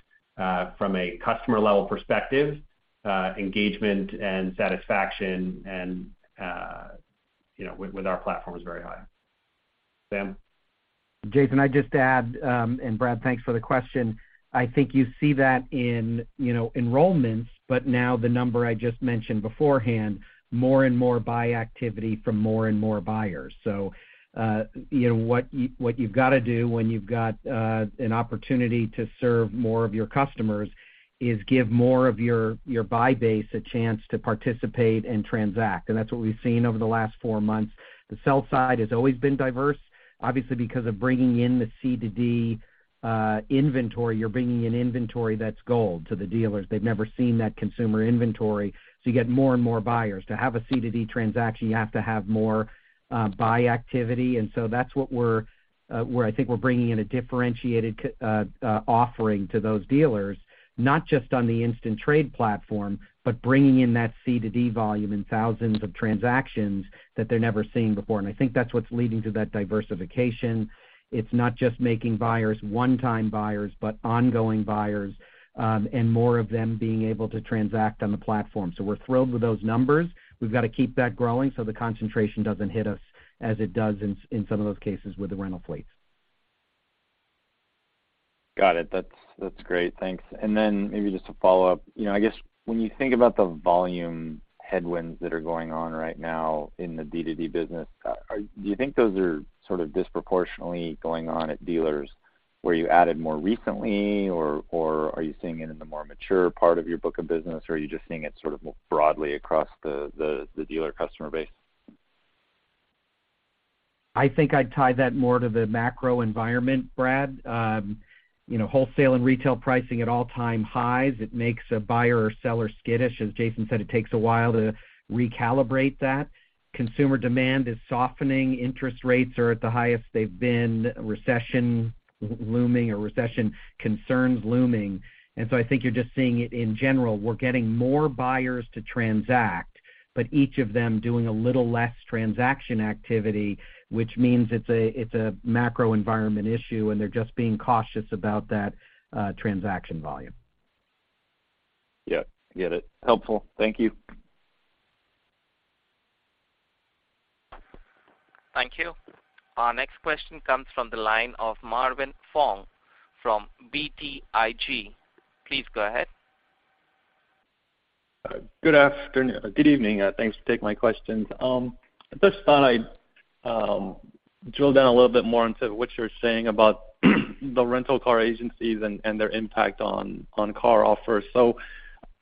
from a customer level perspective, engagement and satisfaction and, you know, with our platform is very high. Sam? Jason, I'd just add, and Brad, thanks for the question. I think you see that in, you know, enrollments, but now the number I just mentioned beforehand, more and more buy activity from more and more buyers. You know, what you've gotta do when you've got an opportunity to serve more of your customers is give more of your buy base a chance to participate and transact. That's what we've seen over the last four months. The sell side has always been diverse, obviously, because of bringing in the C2D inventory. You're bringing in inventory that's gold to the dealers. They've never seen that consumer inventory. You get more and more buyers. To have a C2D transaction, you have to have more buy activity. That's where I think we're bringing in a differentiated offering to those dealers, not just on the instant trade platform, but bringing in that C2D volume and thousands of transactions that they're never seen before. I think that's what's leading to that diversification. It's not just making buyers one-time buyers, but ongoing buyers, and more of them being able to transact on the platform. We're thrilled with those numbers. We've got to keep that growing so the concentration doesn't hit us as it does in some of those cases with the rental fleets. Got it. That's great. Thanks. Maybe just to follow up, you know, I guess when you think about the volume headwinds that are going on right now in the D2D business, do you think those are sort of disproportionately going on at dealers where you added more recently? Or are you seeing it in the more mature part of your book of business? Or are you just seeing it sort of more broadly across the dealer customer base? I think I'd tie that more to the macro environment, Brad. You know, wholesale and retail pricing at all-time highs, it makes a buyer or seller skittish. As Jason said, it takes a while to recalibrate that. Consumer demand is softening. Interest rates are at the highest they've been. Recession looming or recession concerns looming. I think you're just seeing it in general. We're getting more buyers to transact, but each of them doing a little less transaction activity, which means it's a macro environment issue, and they're just being cautious about that, transaction volume. Yeah. Get it. Helpful. Thank you. Thank you. Our next question comes from the line of Marvin Fong from BTIG. Please go ahead. Good afternoon, good evening. Thanks for taking my questions. At this time, drill down a little bit more into what you're saying about the rental car agencies and their impact on CarOffer.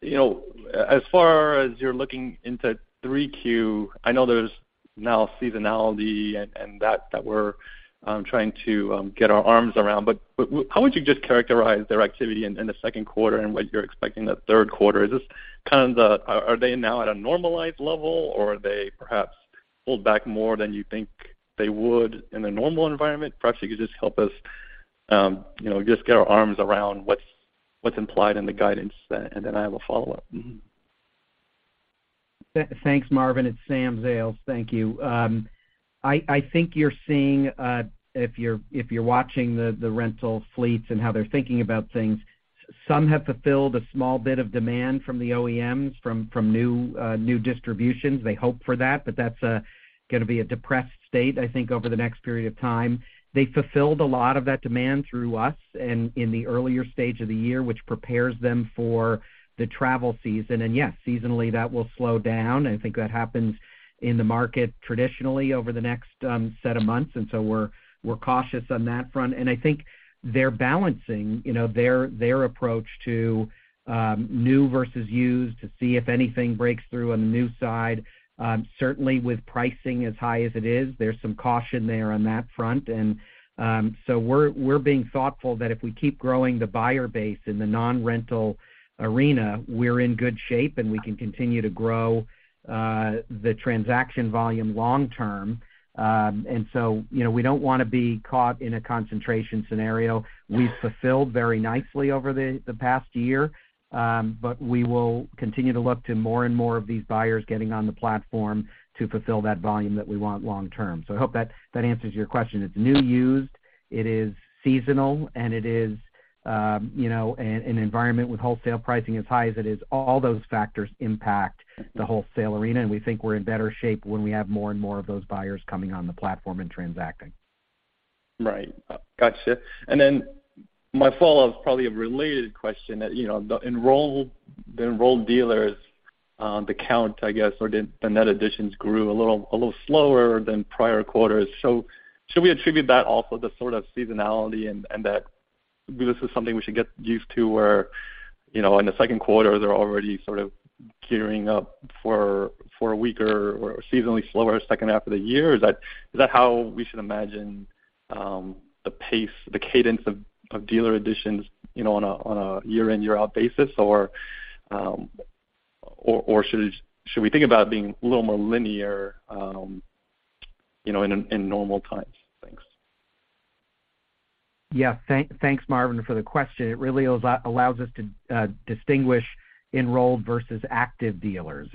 You know, as far as you're looking into 3Q, I know there's now seasonality and that we're trying to get our arms around. How would you just characterize their activity in the second quarter and what you're expecting the third quarter? Is this kind of the? Are they now at a normalized level or are they perhaps pulled back more than you think they would in a normal environment? Perhaps you could just help us, you know, just get our arms around what's implied in the guidance then, and I have a follow-up. Mm-hmm. Thanks, Marvin. It's Sam Zales. Thank you. I think you're seeing if you're watching the rental fleets and how they're thinking about things. Some have fulfilled a small bit of demand from the OEMs from new distributions. They hope for that, but that's gonna be a depressed state, I think, over the next period of time. They fulfilled a lot of that demand through us and in the earlier stage of the year, which prepares them for the travel season. Yes, seasonally, that will slow down. I think that happens in the market traditionally over the next set of months, and so we're cautious on that front. I think they're balancing, you know, their approach to new versus used to see if anything breaks through on the new side. Certainly with pricing as high as it is, there's some caution there on that front. We're being thoughtful that if we keep growing the buyer base in the non-rental arena, we're in good shape, and we can continue to grow the transaction volume long term. You know, we don't wanna be caught in a concentration scenario. We've fulfilled very nicely over the past year, but we will continue to look to more and more of these buyers getting on the platform to fulfill that volume that we want long term. I hope that answers your question. It's new, used, it is seasonal, and it is, you know, an environment with wholesale pricing as high as it is. All those factors impact the wholesale arena, and we think we're in better shape when we have more and more of those buyers coming on the platform and transacting. Right. Gotcha. My follow-up is probably a related question. You know, the enrolled dealers, the count, I guess, or the net additions grew a little slower than prior quarters. Should we attribute that also to sort of seasonality and that this is something we should get used to where, you know, in the second quarter they're already sort of gearing up for a weaker or seasonally slower second half of the year? Is that how we should imagine the pace, the cadence of dealer additions, you know, on a year in, year out basis? Should we think about being a little more linear, you know, in normal times? Thanks. Yeah. Thanks, Marvin, for the question. It really allows us to distinguish enrolled versus active dealers.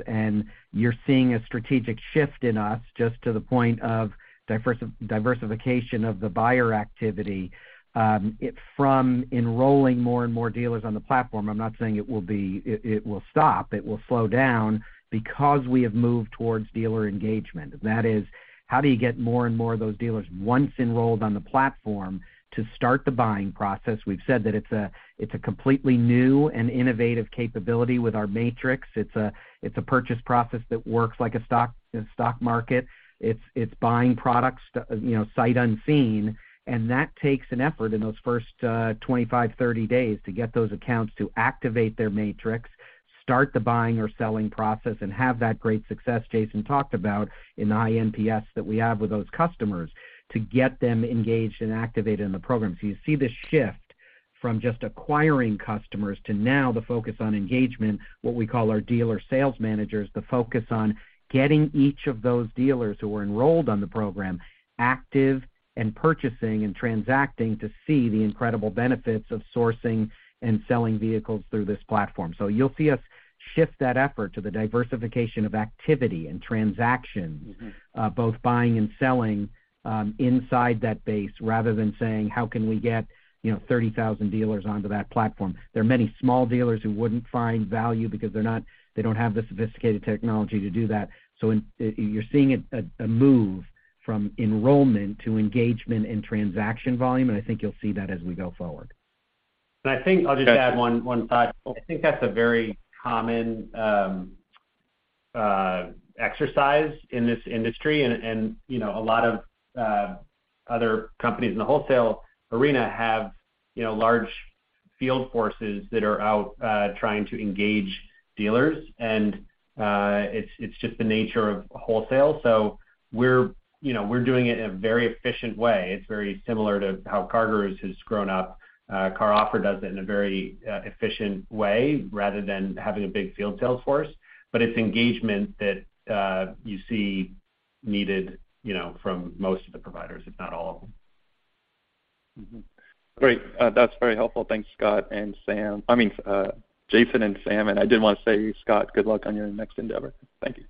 You're seeing a strategic shift in us just to the point of diversification of the buyer activity from enrolling more and more dealers on the platform. I'm not saying it will stop. It will slow down because we have moved towards dealer engagement. That is, how do you get more and more of those dealers once enrolled on the platform to start the buying process? We've said that it's a completely new and innovative capability with our matrix. It's a purchase process that works like a stock market. It's buying products, you know, sight unseen, and that takes an effort in those first 25, 30 days to get those accounts to activate their matrix, start the buying or selling process, and have that great success Jason talked about in NPS that we have with those customers to get them engaged and activated in the program. You see this shift from just acquiring customers to now the focus on engagement, what we call our dealer sales managers, the focus on getting each of those dealers who are enrolled on the program active in purchasing and transacting to see the incredible benefits of sourcing and selling vehicles through this platform. You'll see us shift that effort to the diversification of activity and transaction. Mm-hmm Both buying and selling inside that base rather than saying, "How can we get, you know, 30,000 dealers onto that platform?" There are many small dealers who wouldn't find value because they're not, they don't have the sophisticated technology to do that. You're seeing a move from enrollment to engagement in transaction volume, and I think you'll see that as we go forward. I think I'll just add one thought. I think that's a very common exercise in this industry and, you know, a lot of other companies in the wholesale arena have, you know, large field forces that are out trying to engage dealers. It's just the nature of wholesale. We're, you know, doing it in a very efficient way. It's very similar to how CarGurus has grown up. CarOffer does it in a very efficient way rather than having a big field sales force. It's engagement that you see needed, you know, from most of the providers, if not all of them. Great. That's very helpful. Thanks, Scot and Sam. I mean, Jason and Sam. I did want to say, Scot, good luck on your next endeavor. Thank you.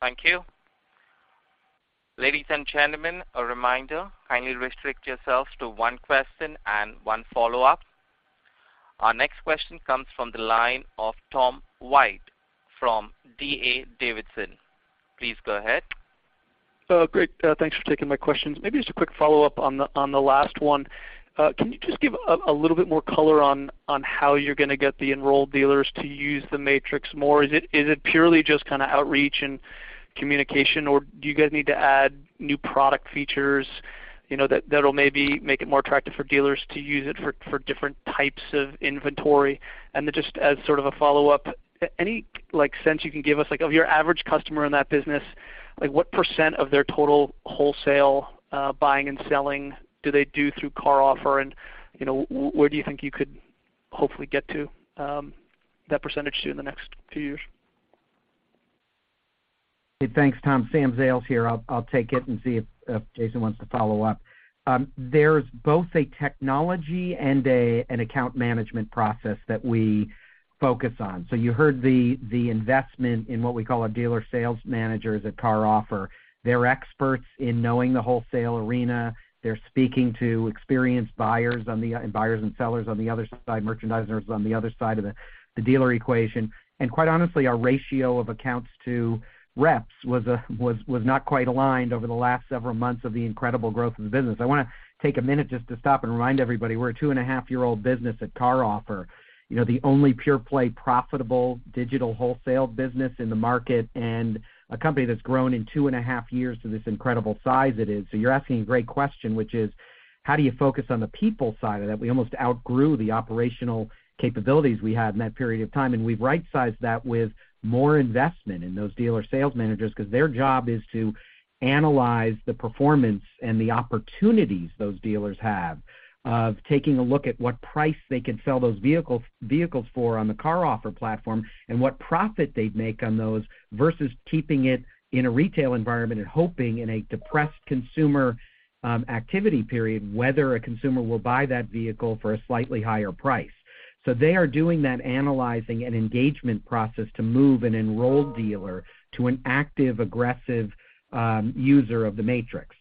Thank you. Ladies and gentlemen, a reminder, kindly restrict yourselves to one question and one follow-up. Our next question comes from the line of Tom White from D.A. Davidson. Please go ahead. Oh, great. Thanks for taking my questions. Maybe just a quick follow-up on the last one. Can you just give a little bit more color on how you're gonna get the enrolled dealers to use the Matrix more? Is it purely just kinda outreach and communication, or do you guys need to add new product features, you know, that that'll maybe make it more attractive for dealers to use it for different types of inventory? And then just as sort of a follow-up, any sense you can give us, like, of your average customer in that business, like, what percent of their total wholesale buying and selling do they do through CarOffer? And, you know, where do you think you could hopefully get to that percentage to in the next few years? Hey, thanks, Tom. Sam Zales here. I'll take it and see if Jason wants to follow up. There's both a technology and an account management process that we focus on. You heard the investment in what we call our dealer sales managers at CarOffer. They're experts in knowing the wholesale arena. They're speaking to experienced buyers and sellers on the other side, merchandisers on the other side of the dealer equation. Quite honestly, our ratio of accounts to reps was not quite aligned over the last several months of the incredible growth of the business. I wanna take a minute just to stop and remind everybody we're a 2.5-year-old business at CarOffer. You know, the only pure play profitable digital wholesale business in the market, and a company that's grown in two and a half years to this incredible size it is. You're asking a great question, which is, how do you focus on the people side of that? We almost outgrew the operational capabilities we had in that period of time, and we've rightsized that with more investment in those dealer sales managers because their job is to analyze the performance and the opportunities those dealers have of taking a look at what price they can sell those vehicles for on the CarOffer platform and what profit they'd make on those versus keeping it in a retail environment and hoping in a depressed consumer activity period whether a consumer will buy that vehicle for a slightly higher price. They are doing that analyzing and engagement process to move an enrolled dealer to an active, aggressive, user of the Matrix.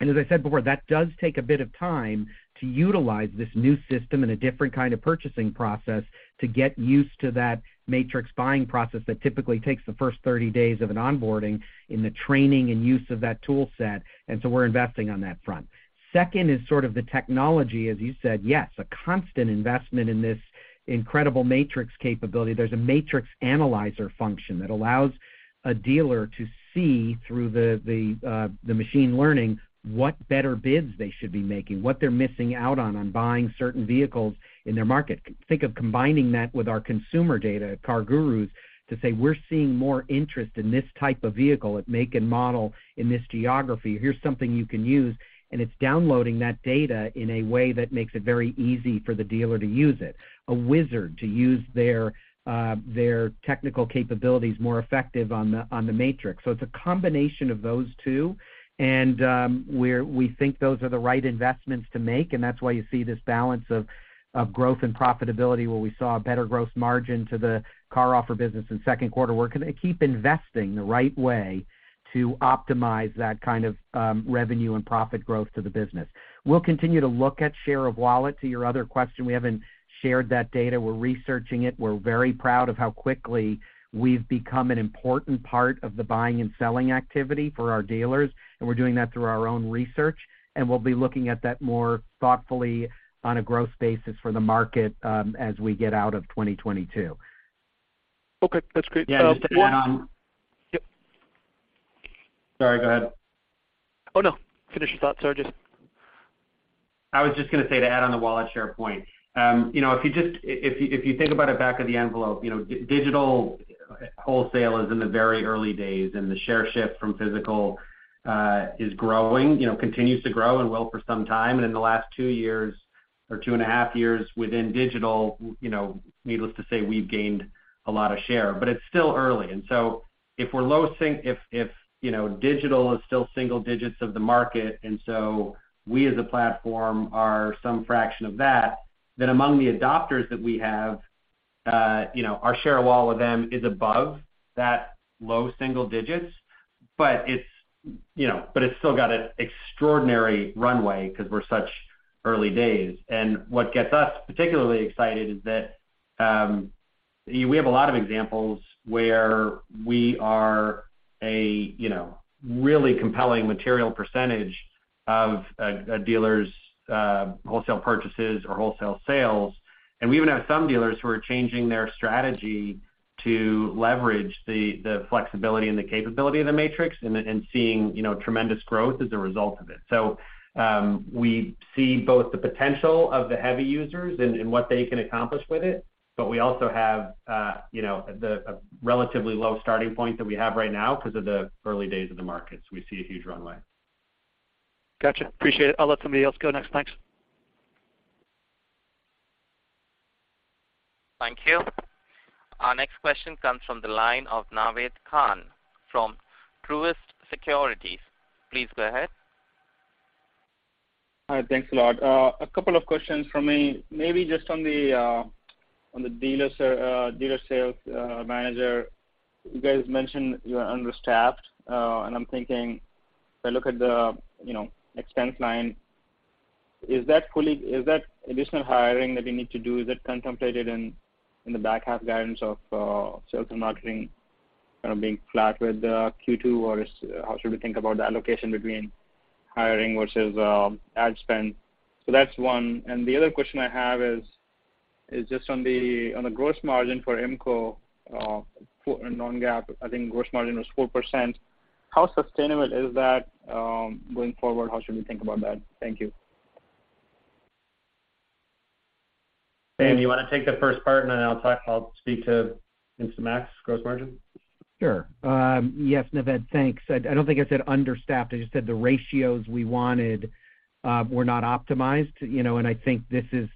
As I said before, that does take a bit of time to utilize this new system in a different kind of purchasing process to get used to that Matrix buying process that typically takes the first 30 days of an onboarding in the training and use of that tool set, and so we're investing on that front. Second is sort of the technology, as you said. Yes, a constant investment in this incredible Matrix capability. There's a Matrix analyzer function that allows a dealer to see through the machine learning what better bids they should be making, what they're missing out on buying certain vehicles in their market. Think of combining that with our consumer data at CarGurus to say, "We're seeing more interest in this type of vehicle at make and model in this geography. Here's something you can use." It's downloading that data in a way that makes it very easy for the dealer to use it, a way to use their technical capabilities more effective on the Matrix. It's a combination of those two, and we think those are the right investments to make, and that's why you see this balance of growth and profitability where we saw a better growth margin to the CarOffer business in second quarter. We're gonna keep investing the right way to optimize that kind of revenue and profit growth to the business. We'll continue to look at share of wallet to your other question. We haven't shared that data. We're researching it. We're very proud of how quickly we've become an important part of the buying and selling activity for our dealers, and we're doing that through our own research. We'll be looking at that more thoughtfully on a growth basis for the market, as we get out of 2022. Okay, that's great. Yeah, just to add on. Yep. Sorry, go ahead. Oh, no. Finish your thought, sorry, just. I was just gonna say to add on the wallet share point. You know, if you think about it back of the envelope, you know, digital wholesale is in the very early days, and the share shift from physical is growing, you know, continues to grow and will for some time. In the last 2 years or 2.5 years within digital, you know, needless to say, we've gained a lot of share. It's still early. If digital is still single digits of the market, and so we as a platform are some fraction of that, then among the adopters that we have, you know, our share of wallet with them is above that low single digits. It's, you know, still got an extraordinary runway because we're such early days. What gets us particularly excited is that we have a lot of examples where we are a, you know, really compelling material percentage of a dealer's wholesale purchases or wholesale sales. We even have some dealers who are changing their strategy to leverage the flexibility and the capability of the Matrix and seeing, you know, tremendous growth as a result of it. We see both the potential of the heavy users and what they can accomplish with it, but we also have, you know, a relatively low starting point that we have right now because of the early days of the market. We see a huge runway. Gotcha. Appreciate it. I'll let somebody else go next. Thanks. Thank you. Our next question comes from the line of Naved Khan from Truist Securities. Please go ahead. Hi. Thanks a lot. A couple of questions from me. Maybe just on the dealer sales manager. You guys mentioned you are understaffed, and I'm thinking if I look at the, you know, expense line. Is that additional hiring that we need to do, is it contemplated in the back half guidance of sales and marketing kind of being flat with Q2 or how should we think about the allocation between hiring versus ad spend? That's one. The other question I have is just on the gross margin for IMCO in non-GAAP. I think gross margin was 4%. How sustainable is that going forward? How should we think about that? Thank you. Sam, you wanna take the first part, and then I'll speak to Instant Max gross margin. Sure. Yes, Naved, thanks. I don't think I said understaffed. I just said the ratios we wanted were not optimized, you know, and I think this is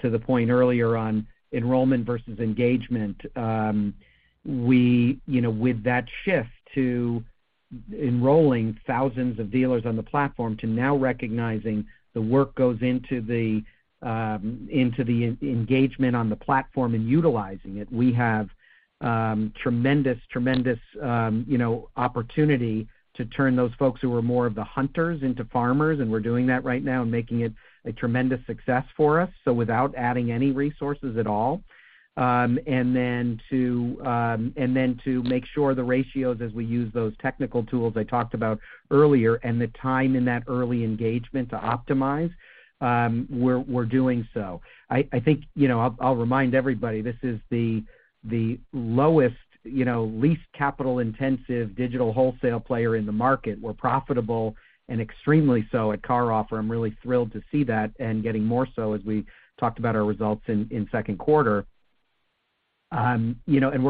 to the point earlier on enrollment versus engagement. You know, with that shift to enrolling thousands of dealers on the platform to now recognizing the work goes into the engagement on the platform and utilizing it, we have tremendous, you know, opportunity to turn those folks who are more of the hunters into farmers, and we're doing that right now and making it a tremendous success for us, so without adding any resources at all. Make sure the ratios as we use those technical tools I talked about earlier and the time in that early engagement to optimize, we're doing so. I think, you know, I'll remind everybody, this is the lowest, you know, least capital intensive digital wholesale player in the market. We're profitable and extremely so at CarOffer. I'm really thrilled to see that and getting more so as we talked about our results in second quarter. We're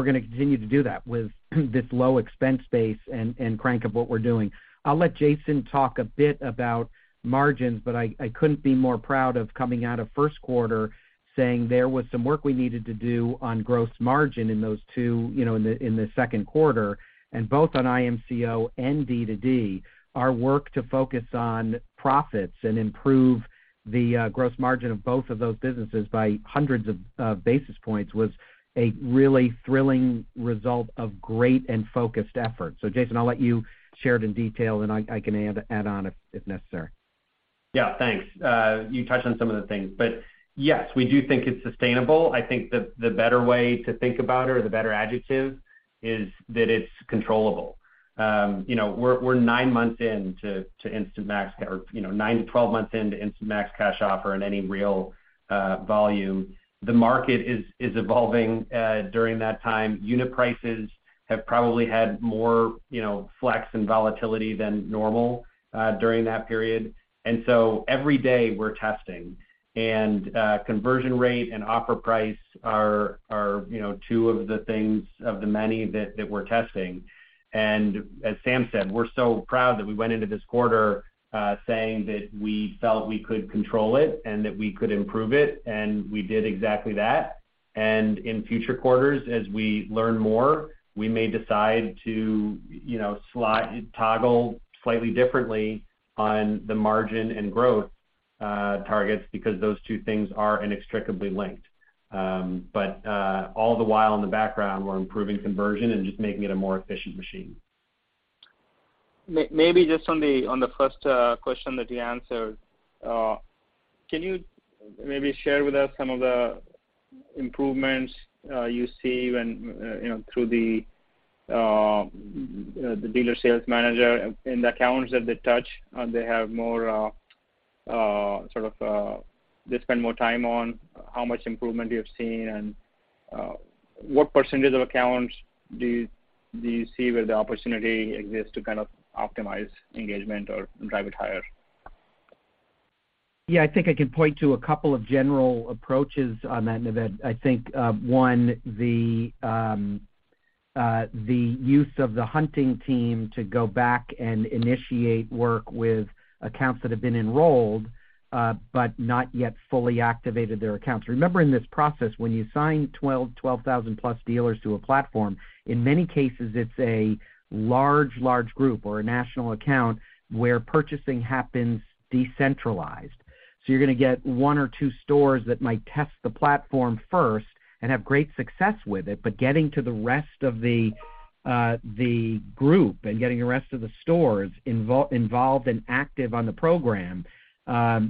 gonna continue to do that with this low expense base and crank of what we're doing. I'll let Jason talk a bit about margins, but I couldn't be more proud of coming out of first quarter saying there was some work we needed to do on gross margin in those two, you know, in the second quarter. Both on IMCO and D2D, our work to focus on profits and improve the gross margin of both of those businesses by hundreds of basis points was a really thrilling result of great and focused effort. Jason, I'll let you share it in detail, and I can add on if necessary. Yeah, thanks. You touched on some of the things. Yes, we do think it's sustainable. I think the better way to think about it or the better adjective is that it's controllable. You know, we're 9 months in to Instant Max or, you know, 9 to 12 months into Instant Max Cash Offer and any real volume. The market is evolving during that time. Unit prices have probably had more, you know, flex and volatility than normal during that period. Every day we're testing. Conversion rate and offer price are, you know, two of the things of the many that we're testing. as Sam said, we're so proud that we went into this quarter, saying that we felt we could control it and that we could improve it, and we did exactly that. In future quarters, as we learn more, we may decide to, you know, toggle slightly differently on the margin and growth targets because those two things are inextricably linked. All the while in the background, we're improving conversion and just making it a more efficient machine. Maybe just on the first question that you answered. Can you maybe share with us some of the improvements you see when through the dealer sales manager in the accounts that they touch? They spend more time on how much improvement you have seen and what percentage of accounts do you see where the opportunity exists to kind of optimize engagement or drive it higher? Yeah. I think I can point to a couple of general approaches on that, Naved. I think one, the use of the hunting team to go back and initiate work with accounts that have been enrolled but not yet fully activated their accounts. Remember in this process, when you sign 12,000+ dealers to a platform, in many cases it's a large group or a national account where purchasing happens decentralized. You're gonna get one or two stores that might test the platform first and have great success with it. Getting to the rest of the group and getting the rest of the stores involved and active on the program,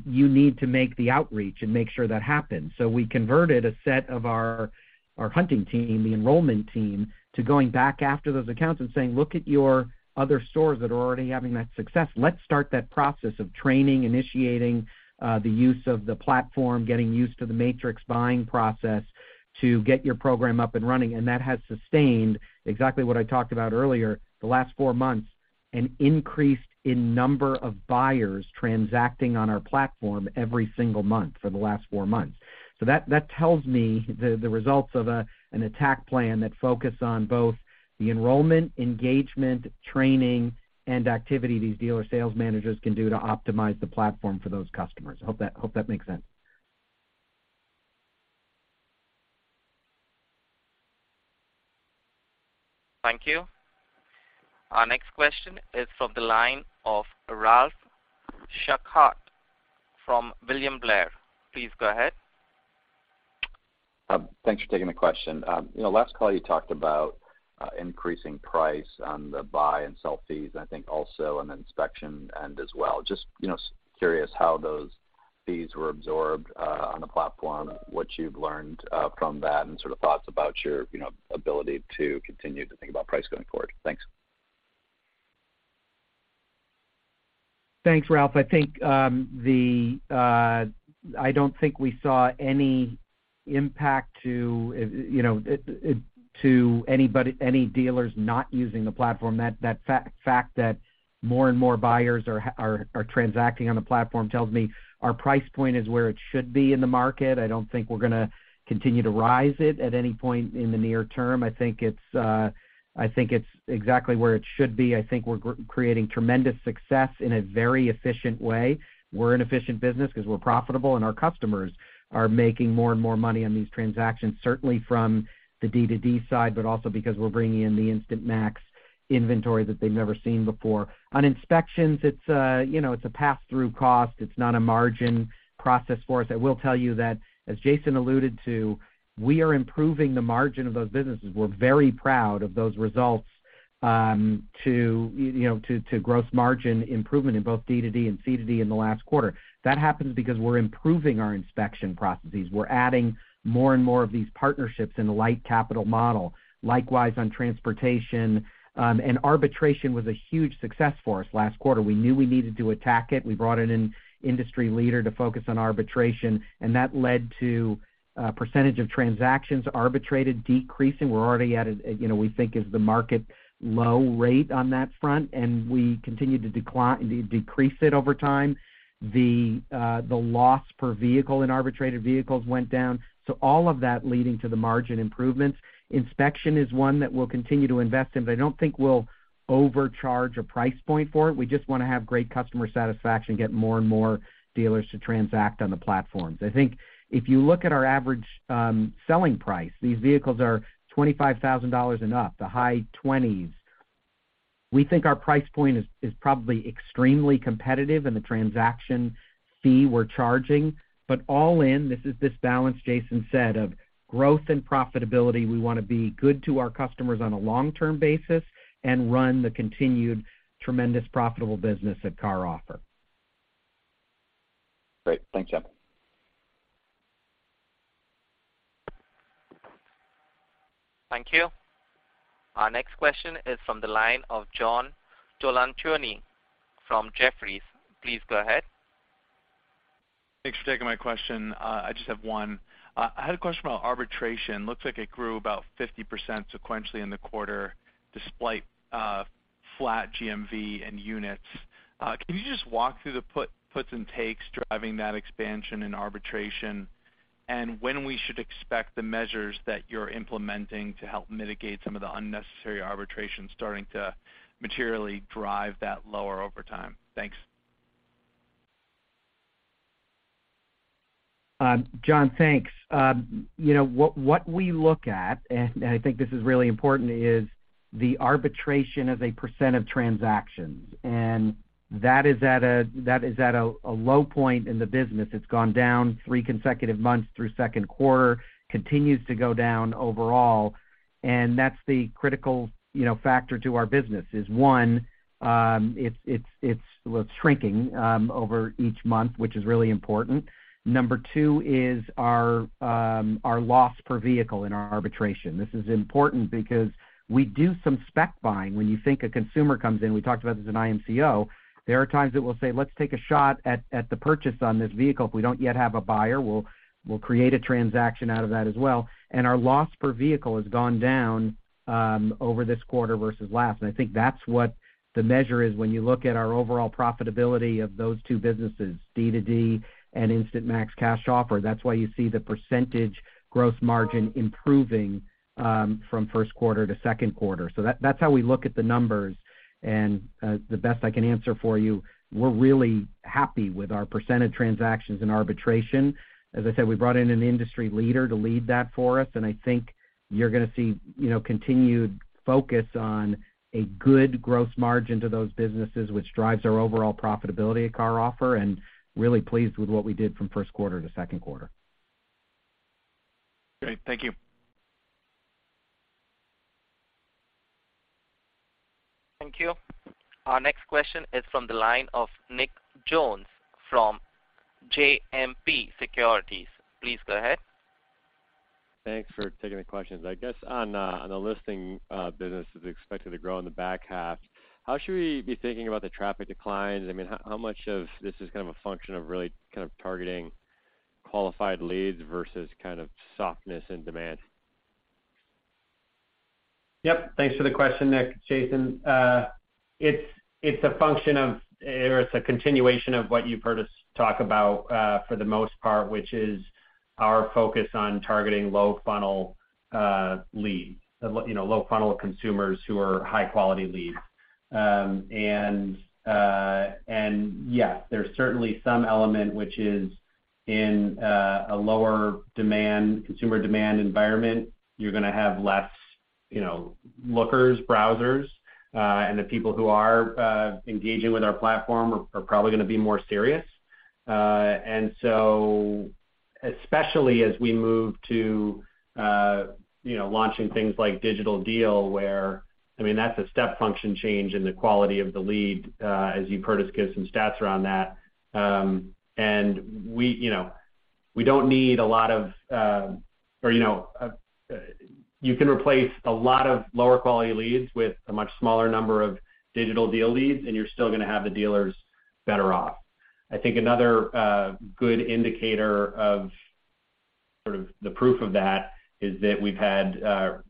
you need to make the outreach and make sure that happens. We converted a set of our hunting team, the enrollment team, to going back after those accounts and saying, "Look at your other stores that are already having that success. Let's start that process of training, initiating, the use of the platform, getting used to the matrix buying process to get your program up and running." That has sustained exactly what I talked about earlier, the last four months, an increase in number of buyers transacting on our platform every single month for the last four months. That tells me the results of an attack plan that focus on both the enrollment, engagement, training, and activity these dealer sales managers can do to optimize the platform for those customers. I hope that makes sense. Thank you. Our next question is from the line of Ralph Schackart from William Blair. Please go ahead. Thanks for taking the question. You know, last call you talked about increasing price on the buy and sell fees, and I think also on the inspection end as well. Just, you know, curious how those fees were absorbed on the platform, what you've learned from that, and sort of thoughts about your, you know, ability to continue to think about price going forward. Thanks. Thanks, Ralph. I think I don't think we saw any impact to you know to anybody, any dealers not using the platform. That fact that more and more buyers are transacting on the platform tells me our price point is where it should be in the market. I don't think we're gonna continue to rise it at any point in the near term. I think it's exactly where it should be. I think we're creating tremendous success in a very efficient way. We're an efficient business 'cause we're profitable, and our customers are making more and more money on these transactions, certainly from the D2D side, but also because we're bringing in the Instant Max inventory that they've never seen before. On inspections, it's you know, it's a pass-through cost. It's not a margin process for us. I will tell you that as Jason alluded to, we are improving the margin of those businesses. We're very proud of those results to gross margin improvement in both D2D and C2D in the last quarter. That happens because we're improving our inspection processes. We're adding more and more of these partnerships in a light capital model, likewise on transportation. Arbitration was a huge success for us last quarter. We knew we needed to attack it. We brought in an industry leader to focus on arbitration, and that led to percentage of transactions arbitrated decreasing. We're already at a we think is the market low rate on that front, and we continue to decrease it over time. The loss per vehicle in arbitrated vehicles went down, so all of that leading to the margin improvements. Inspection is one that we'll continue to invest in, but I don't think we'll overcharge a price point for it. We just wanna have great customer satisfaction, get more and more dealers to transact on the platforms. I think if you look at our average selling price, these vehicles are $25,000 and up, the high twenties. We think our price point is probably extremely competitive and the transaction fee we're charging, but all in, this is this balance Jason said of growth and profitability. We wanna be good to our customers on a long-term basis and run the continued tremendous profitable business at CarOffer. Great. Thanks, Sam Zales. Thank you. Our next question is from the line of John Colantuoni from Jefferies. Please go ahead. Thanks for taking my question. I just have one. I had a question about arbitration. Looks like it grew about 50% sequentially in the quarter despite flat GMV and units. Can you just walk through the puts and takes driving that expansion in arbitration, and when we should expect the measures that you're implementing to help mitigate some of the unnecessary arbitration starting to materially drive that lower over time? Thanks. John, thanks. You know, what we look at, and I think this is really important, is the arbitrage as a percent of transactions. That is at a low point in the business. It's gone down three consecutive months through second quarter, continues to go down overall, and that's the critical, you know, factor to our business. It's one, it's shrinking over each month, which is really important. Number two is our loss per vehicle in our arbitrage. This is important because we do some spec buying. When you think a consumer comes in, we talked about this in IMCO, there are times that we'll say, "Let's take a shot at the purchase on this vehicle." If we don't yet have a buyer, we'll create a transaction out of that as well. Our loss per vehicle has gone down over this quarter versus last, and I think that's what the measure is when you look at our overall profitability of those two businesses, D2D and Instant Max Cash Offer. That's why you see the percentage gross margin improving from first quarter to second quarter. That's how we look at the numbers. The best I can answer for you, we're really happy with our percent of transactions in arbitration. As I said, we brought in an industry leader to lead that for us, and I think you're gonna see, you know, continued focus on a good gross margin to those businesses, which drives our overall profitability at CarOffer, and really pleased with what we did from first quarter to second quarter. Great. Thank you. Thank you. Our next question is from the line of Nicholas Jones from JMP Securities. Please go ahead. Thanks for taking the questions. I guess on the listing business that's expected to grow in the back half, how should we be thinking about the traffic declines? I mean, how much of this is kind of a function of really kind of targeting qualified leads versus kind of softness in demand? Yep. Thanks for the question, Nick. Jason. It's a function of or it's a continuation of what you've heard us talk about, for the most part, which is our focus on targeting low funnel leads. You know, low funnel consumers who are high quality leads. And yes, there's certainly some element which is in a lower demand, consumer demand environment. You're gonna have less, you know, lookers, browsers, and the people who are engaging with our platform are probably going to be more serious. And so especially as we move to, you know, launching things like Digital Deal, where, I mean, that's a step function change in the quality of the lead. As you've heard us give some stats around that. You know, you can replace a lot of lower quality leads with a much smaller number of Digital Deal leads, and you're still going to have the dealers better off. I think another good indicator of sort of the proof of that is that we've had,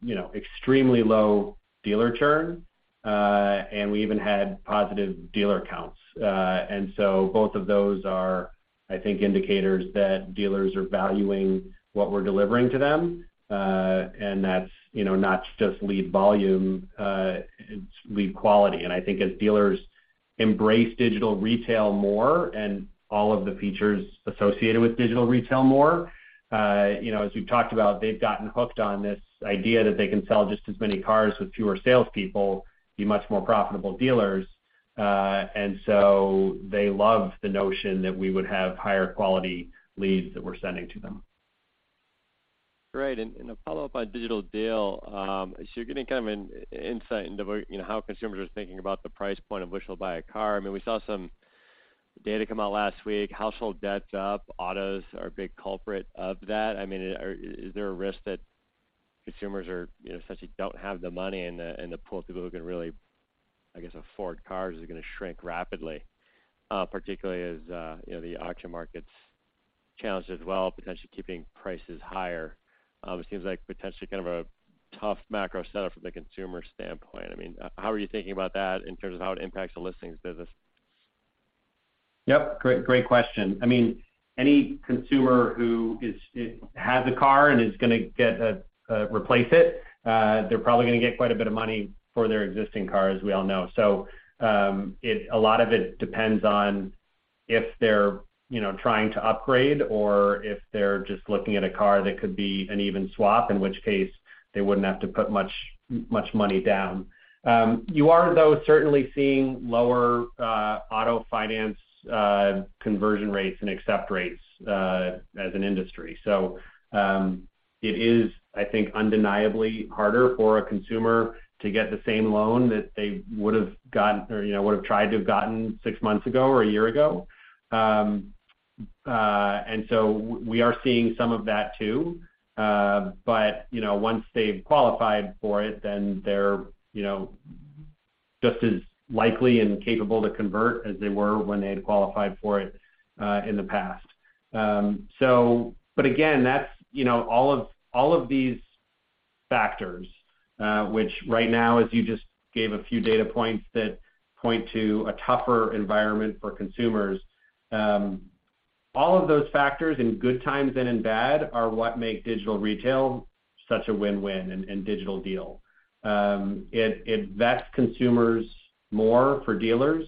you know, extremely low dealer churn, and we even had positive dealer counts. Both of those are, I think, indicators that dealers are valuing what we're delivering to them. That's, you know, not just lead volume, it's lead quality. I think as dealers embrace digital retail more and all of the features associated with digital retail more, you know, as we've talked about, they've gotten hooked on this idea that they can sell just as many cars with fewer salespeople, be much more profitable dealers. They love the notion that we would have higher quality leads that we're sending to them. Great. A follow-up on Digital Deal. You're getting kind of an insight into what, you know, how consumers are thinking about the price point of which they'll buy a car. I mean, we saw some data come out last week. Household debt's up. Autos are a big culprit of that. I mean, is there a risk that consumers are, you know, essentially don't have the money and the pool of people who can really, I guess, afford cars is going to shrink rapidly, particularly as, you know, the auction market's challenged as well, potentially keeping prices higher? It seems like potentially kind of a tough macro setup from the consumer standpoint. I mean, how are you thinking about that in terms of how it impacts the listings business? Yep. Great question. I mean, any consumer who has a car and is going to replace it, they're probably going to get quite a bit of money for their existing car, as we all know. A lot of it depends on if they're, you know, trying to upgrade or if they're just looking at a car that could be an even swap, in which case they wouldn't have to put much money down. You are though certainly seeing lower auto finance conversion rates and accept rates as an industry. It is, I think, undeniably harder for a consumer to get the same loan that they would've gotten or, you know, would've tried to have gotten six months ago or a year ago. We are seeing some of that too. You know, once they've qualified for it, then they're, you know, just as likely and capable to convert as they were when they had qualified for it in the past. Again, that's, you know, all of these factors, which right now, as you just gave a few data points that point to a tougher environment for consumers. All of those factors in good times and in bad are what make digital retail such a win-win in Digital Deal. It vets consumers more for dealers.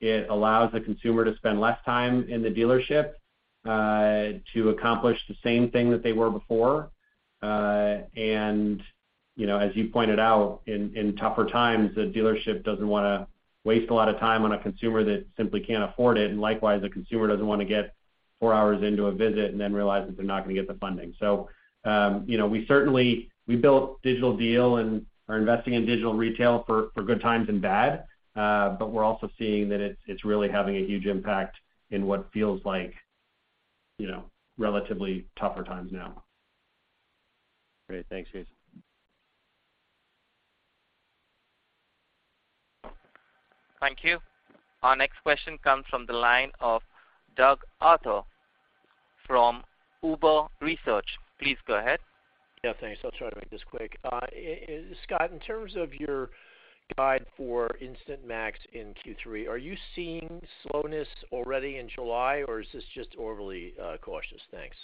It allows the consumer to spend less time in the dealership to accomplish the same thing that they were before. You know, as you pointed out in tougher times, the dealership doesn't wanna waste a lot of time on a consumer that simply can't afford it, and likewise, the consumer doesn't want to get four hours into a visit and then realize that they're not gonna get the funding. We certainly built Digital Deal and are investing in digital retail for good times and bad. We're also seeing that it's really having a huge impact in what feels like, you know, relatively tougher times now. Great. Thanks, Jason. Thank you. Our next question comes from the line of Doug Anmuth from J.P. Morgan. Please go ahead. Yeah, thanks. I'll try to make this quick. Scot, in terms of your guide for Instant Max in Q3, are you seeing slowness already in July, or is this just overly cautious? Thanks.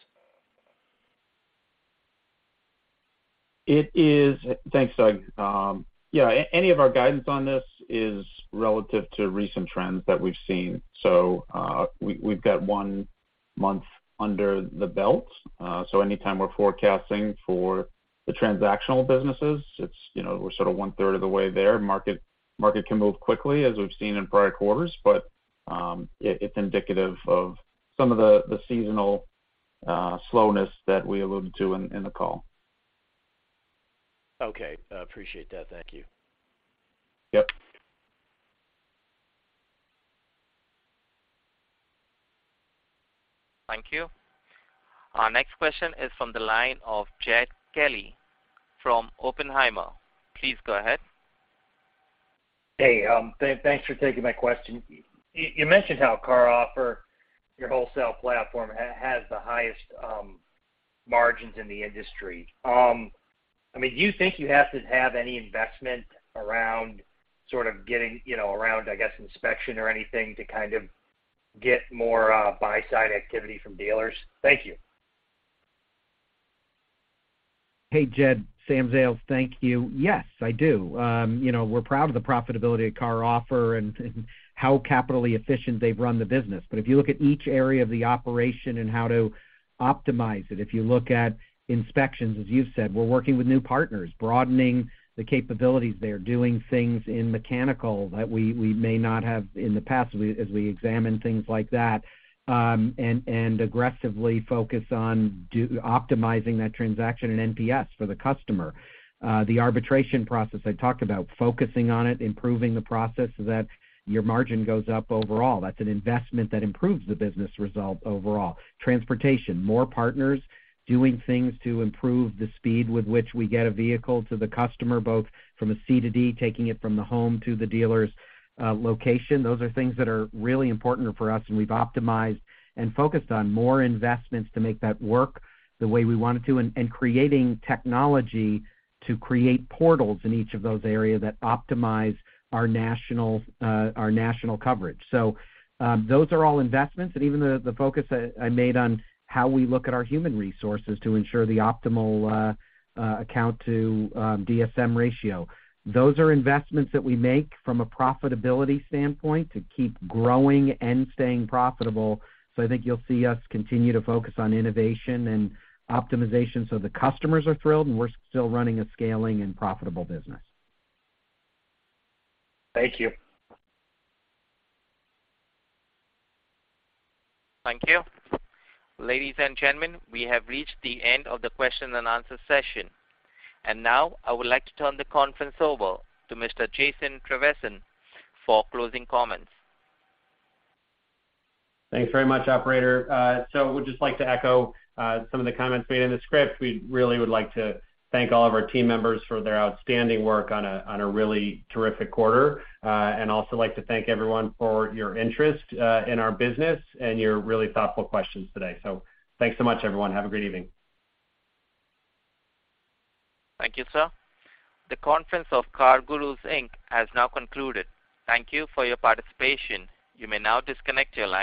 Thanks, Doug. Yeah, any of our guidance on this is relative to recent trends that we've seen. We've got one month under the belt. Anytime we're forecasting for the transactional businesses, it's, you know, we're sort of one-third of the way there. Market can move quickly as we've seen in prior quarters, but it's indicative of some of the seasonal slowness that we alluded to in the call. Okay. Appreciate that. Thank you. Yep. Thank you. Our next question is from the line of Jed Kelly from Oppenheimer. Please go ahead. Hey, thanks for taking my question. You mentioned how CarOffer, your wholesale platform has the highest margins in the industry. I mean, do you think you have to have any investment around sort of getting, you know, around, I guess, inspection or anything to kind of get more buy-side activity from dealers? Thank you. Hey, Jed, Sam Zales. Thank you. Yes, I do. You know, we're proud of the profitability of CarOffer and how capitally efficient they've run the business. If you look at each area of the operation and how to optimize it. If you look at inspections, as you've said, we're working with new partners, broadening the capabilities there, doing things in mechanical that we may not have in the past as we examine things like that. And aggressively focus on optimizing that transaction in NPS for the customer. The arbitration process I talked about, focusing on it, improving the process so that your margin goes up overall. That's an investment that improves the business result overall. Transportation, more partners doing things to improve the speed with which we get a vehicle to the customer, both from a C2D, taking it from the home to the dealer's location. Those are things that are really important for us, and we've optimized and focused on more investments to make that work the way we want it to, and creating technology to create portals in each of those areas that optimize our national coverage. Those are all investments. Even the focus I made on how we look at our human resources to ensure the optimal account to DSM ratio. Those are investments that we make from a profitability standpoint to keep growing and staying profitable. I think you'll see us continue to focus on innovation and optimization so the customers are thrilled, and we're still running a scaling and profitable business. Thank you. Thank you. Ladies and gentlemen, we have reached the end of the question and answer session. Now I would like to turn the conference over to Mr. Jason Trevisan for closing comments. Thanks very much, operator. Would just like to echo some of the comments made in the script. We really would like to thank all of our team members for their outstanding work on a really terrific quarter. Also like to thank everyone for your interest in our business and your really thoughtful questions today. Thanks so much, everyone. Have a great evening. Thank you, sir. The conference of CarGurus, Inc. has now concluded. Thank you for your participation. You may now disconnect your line.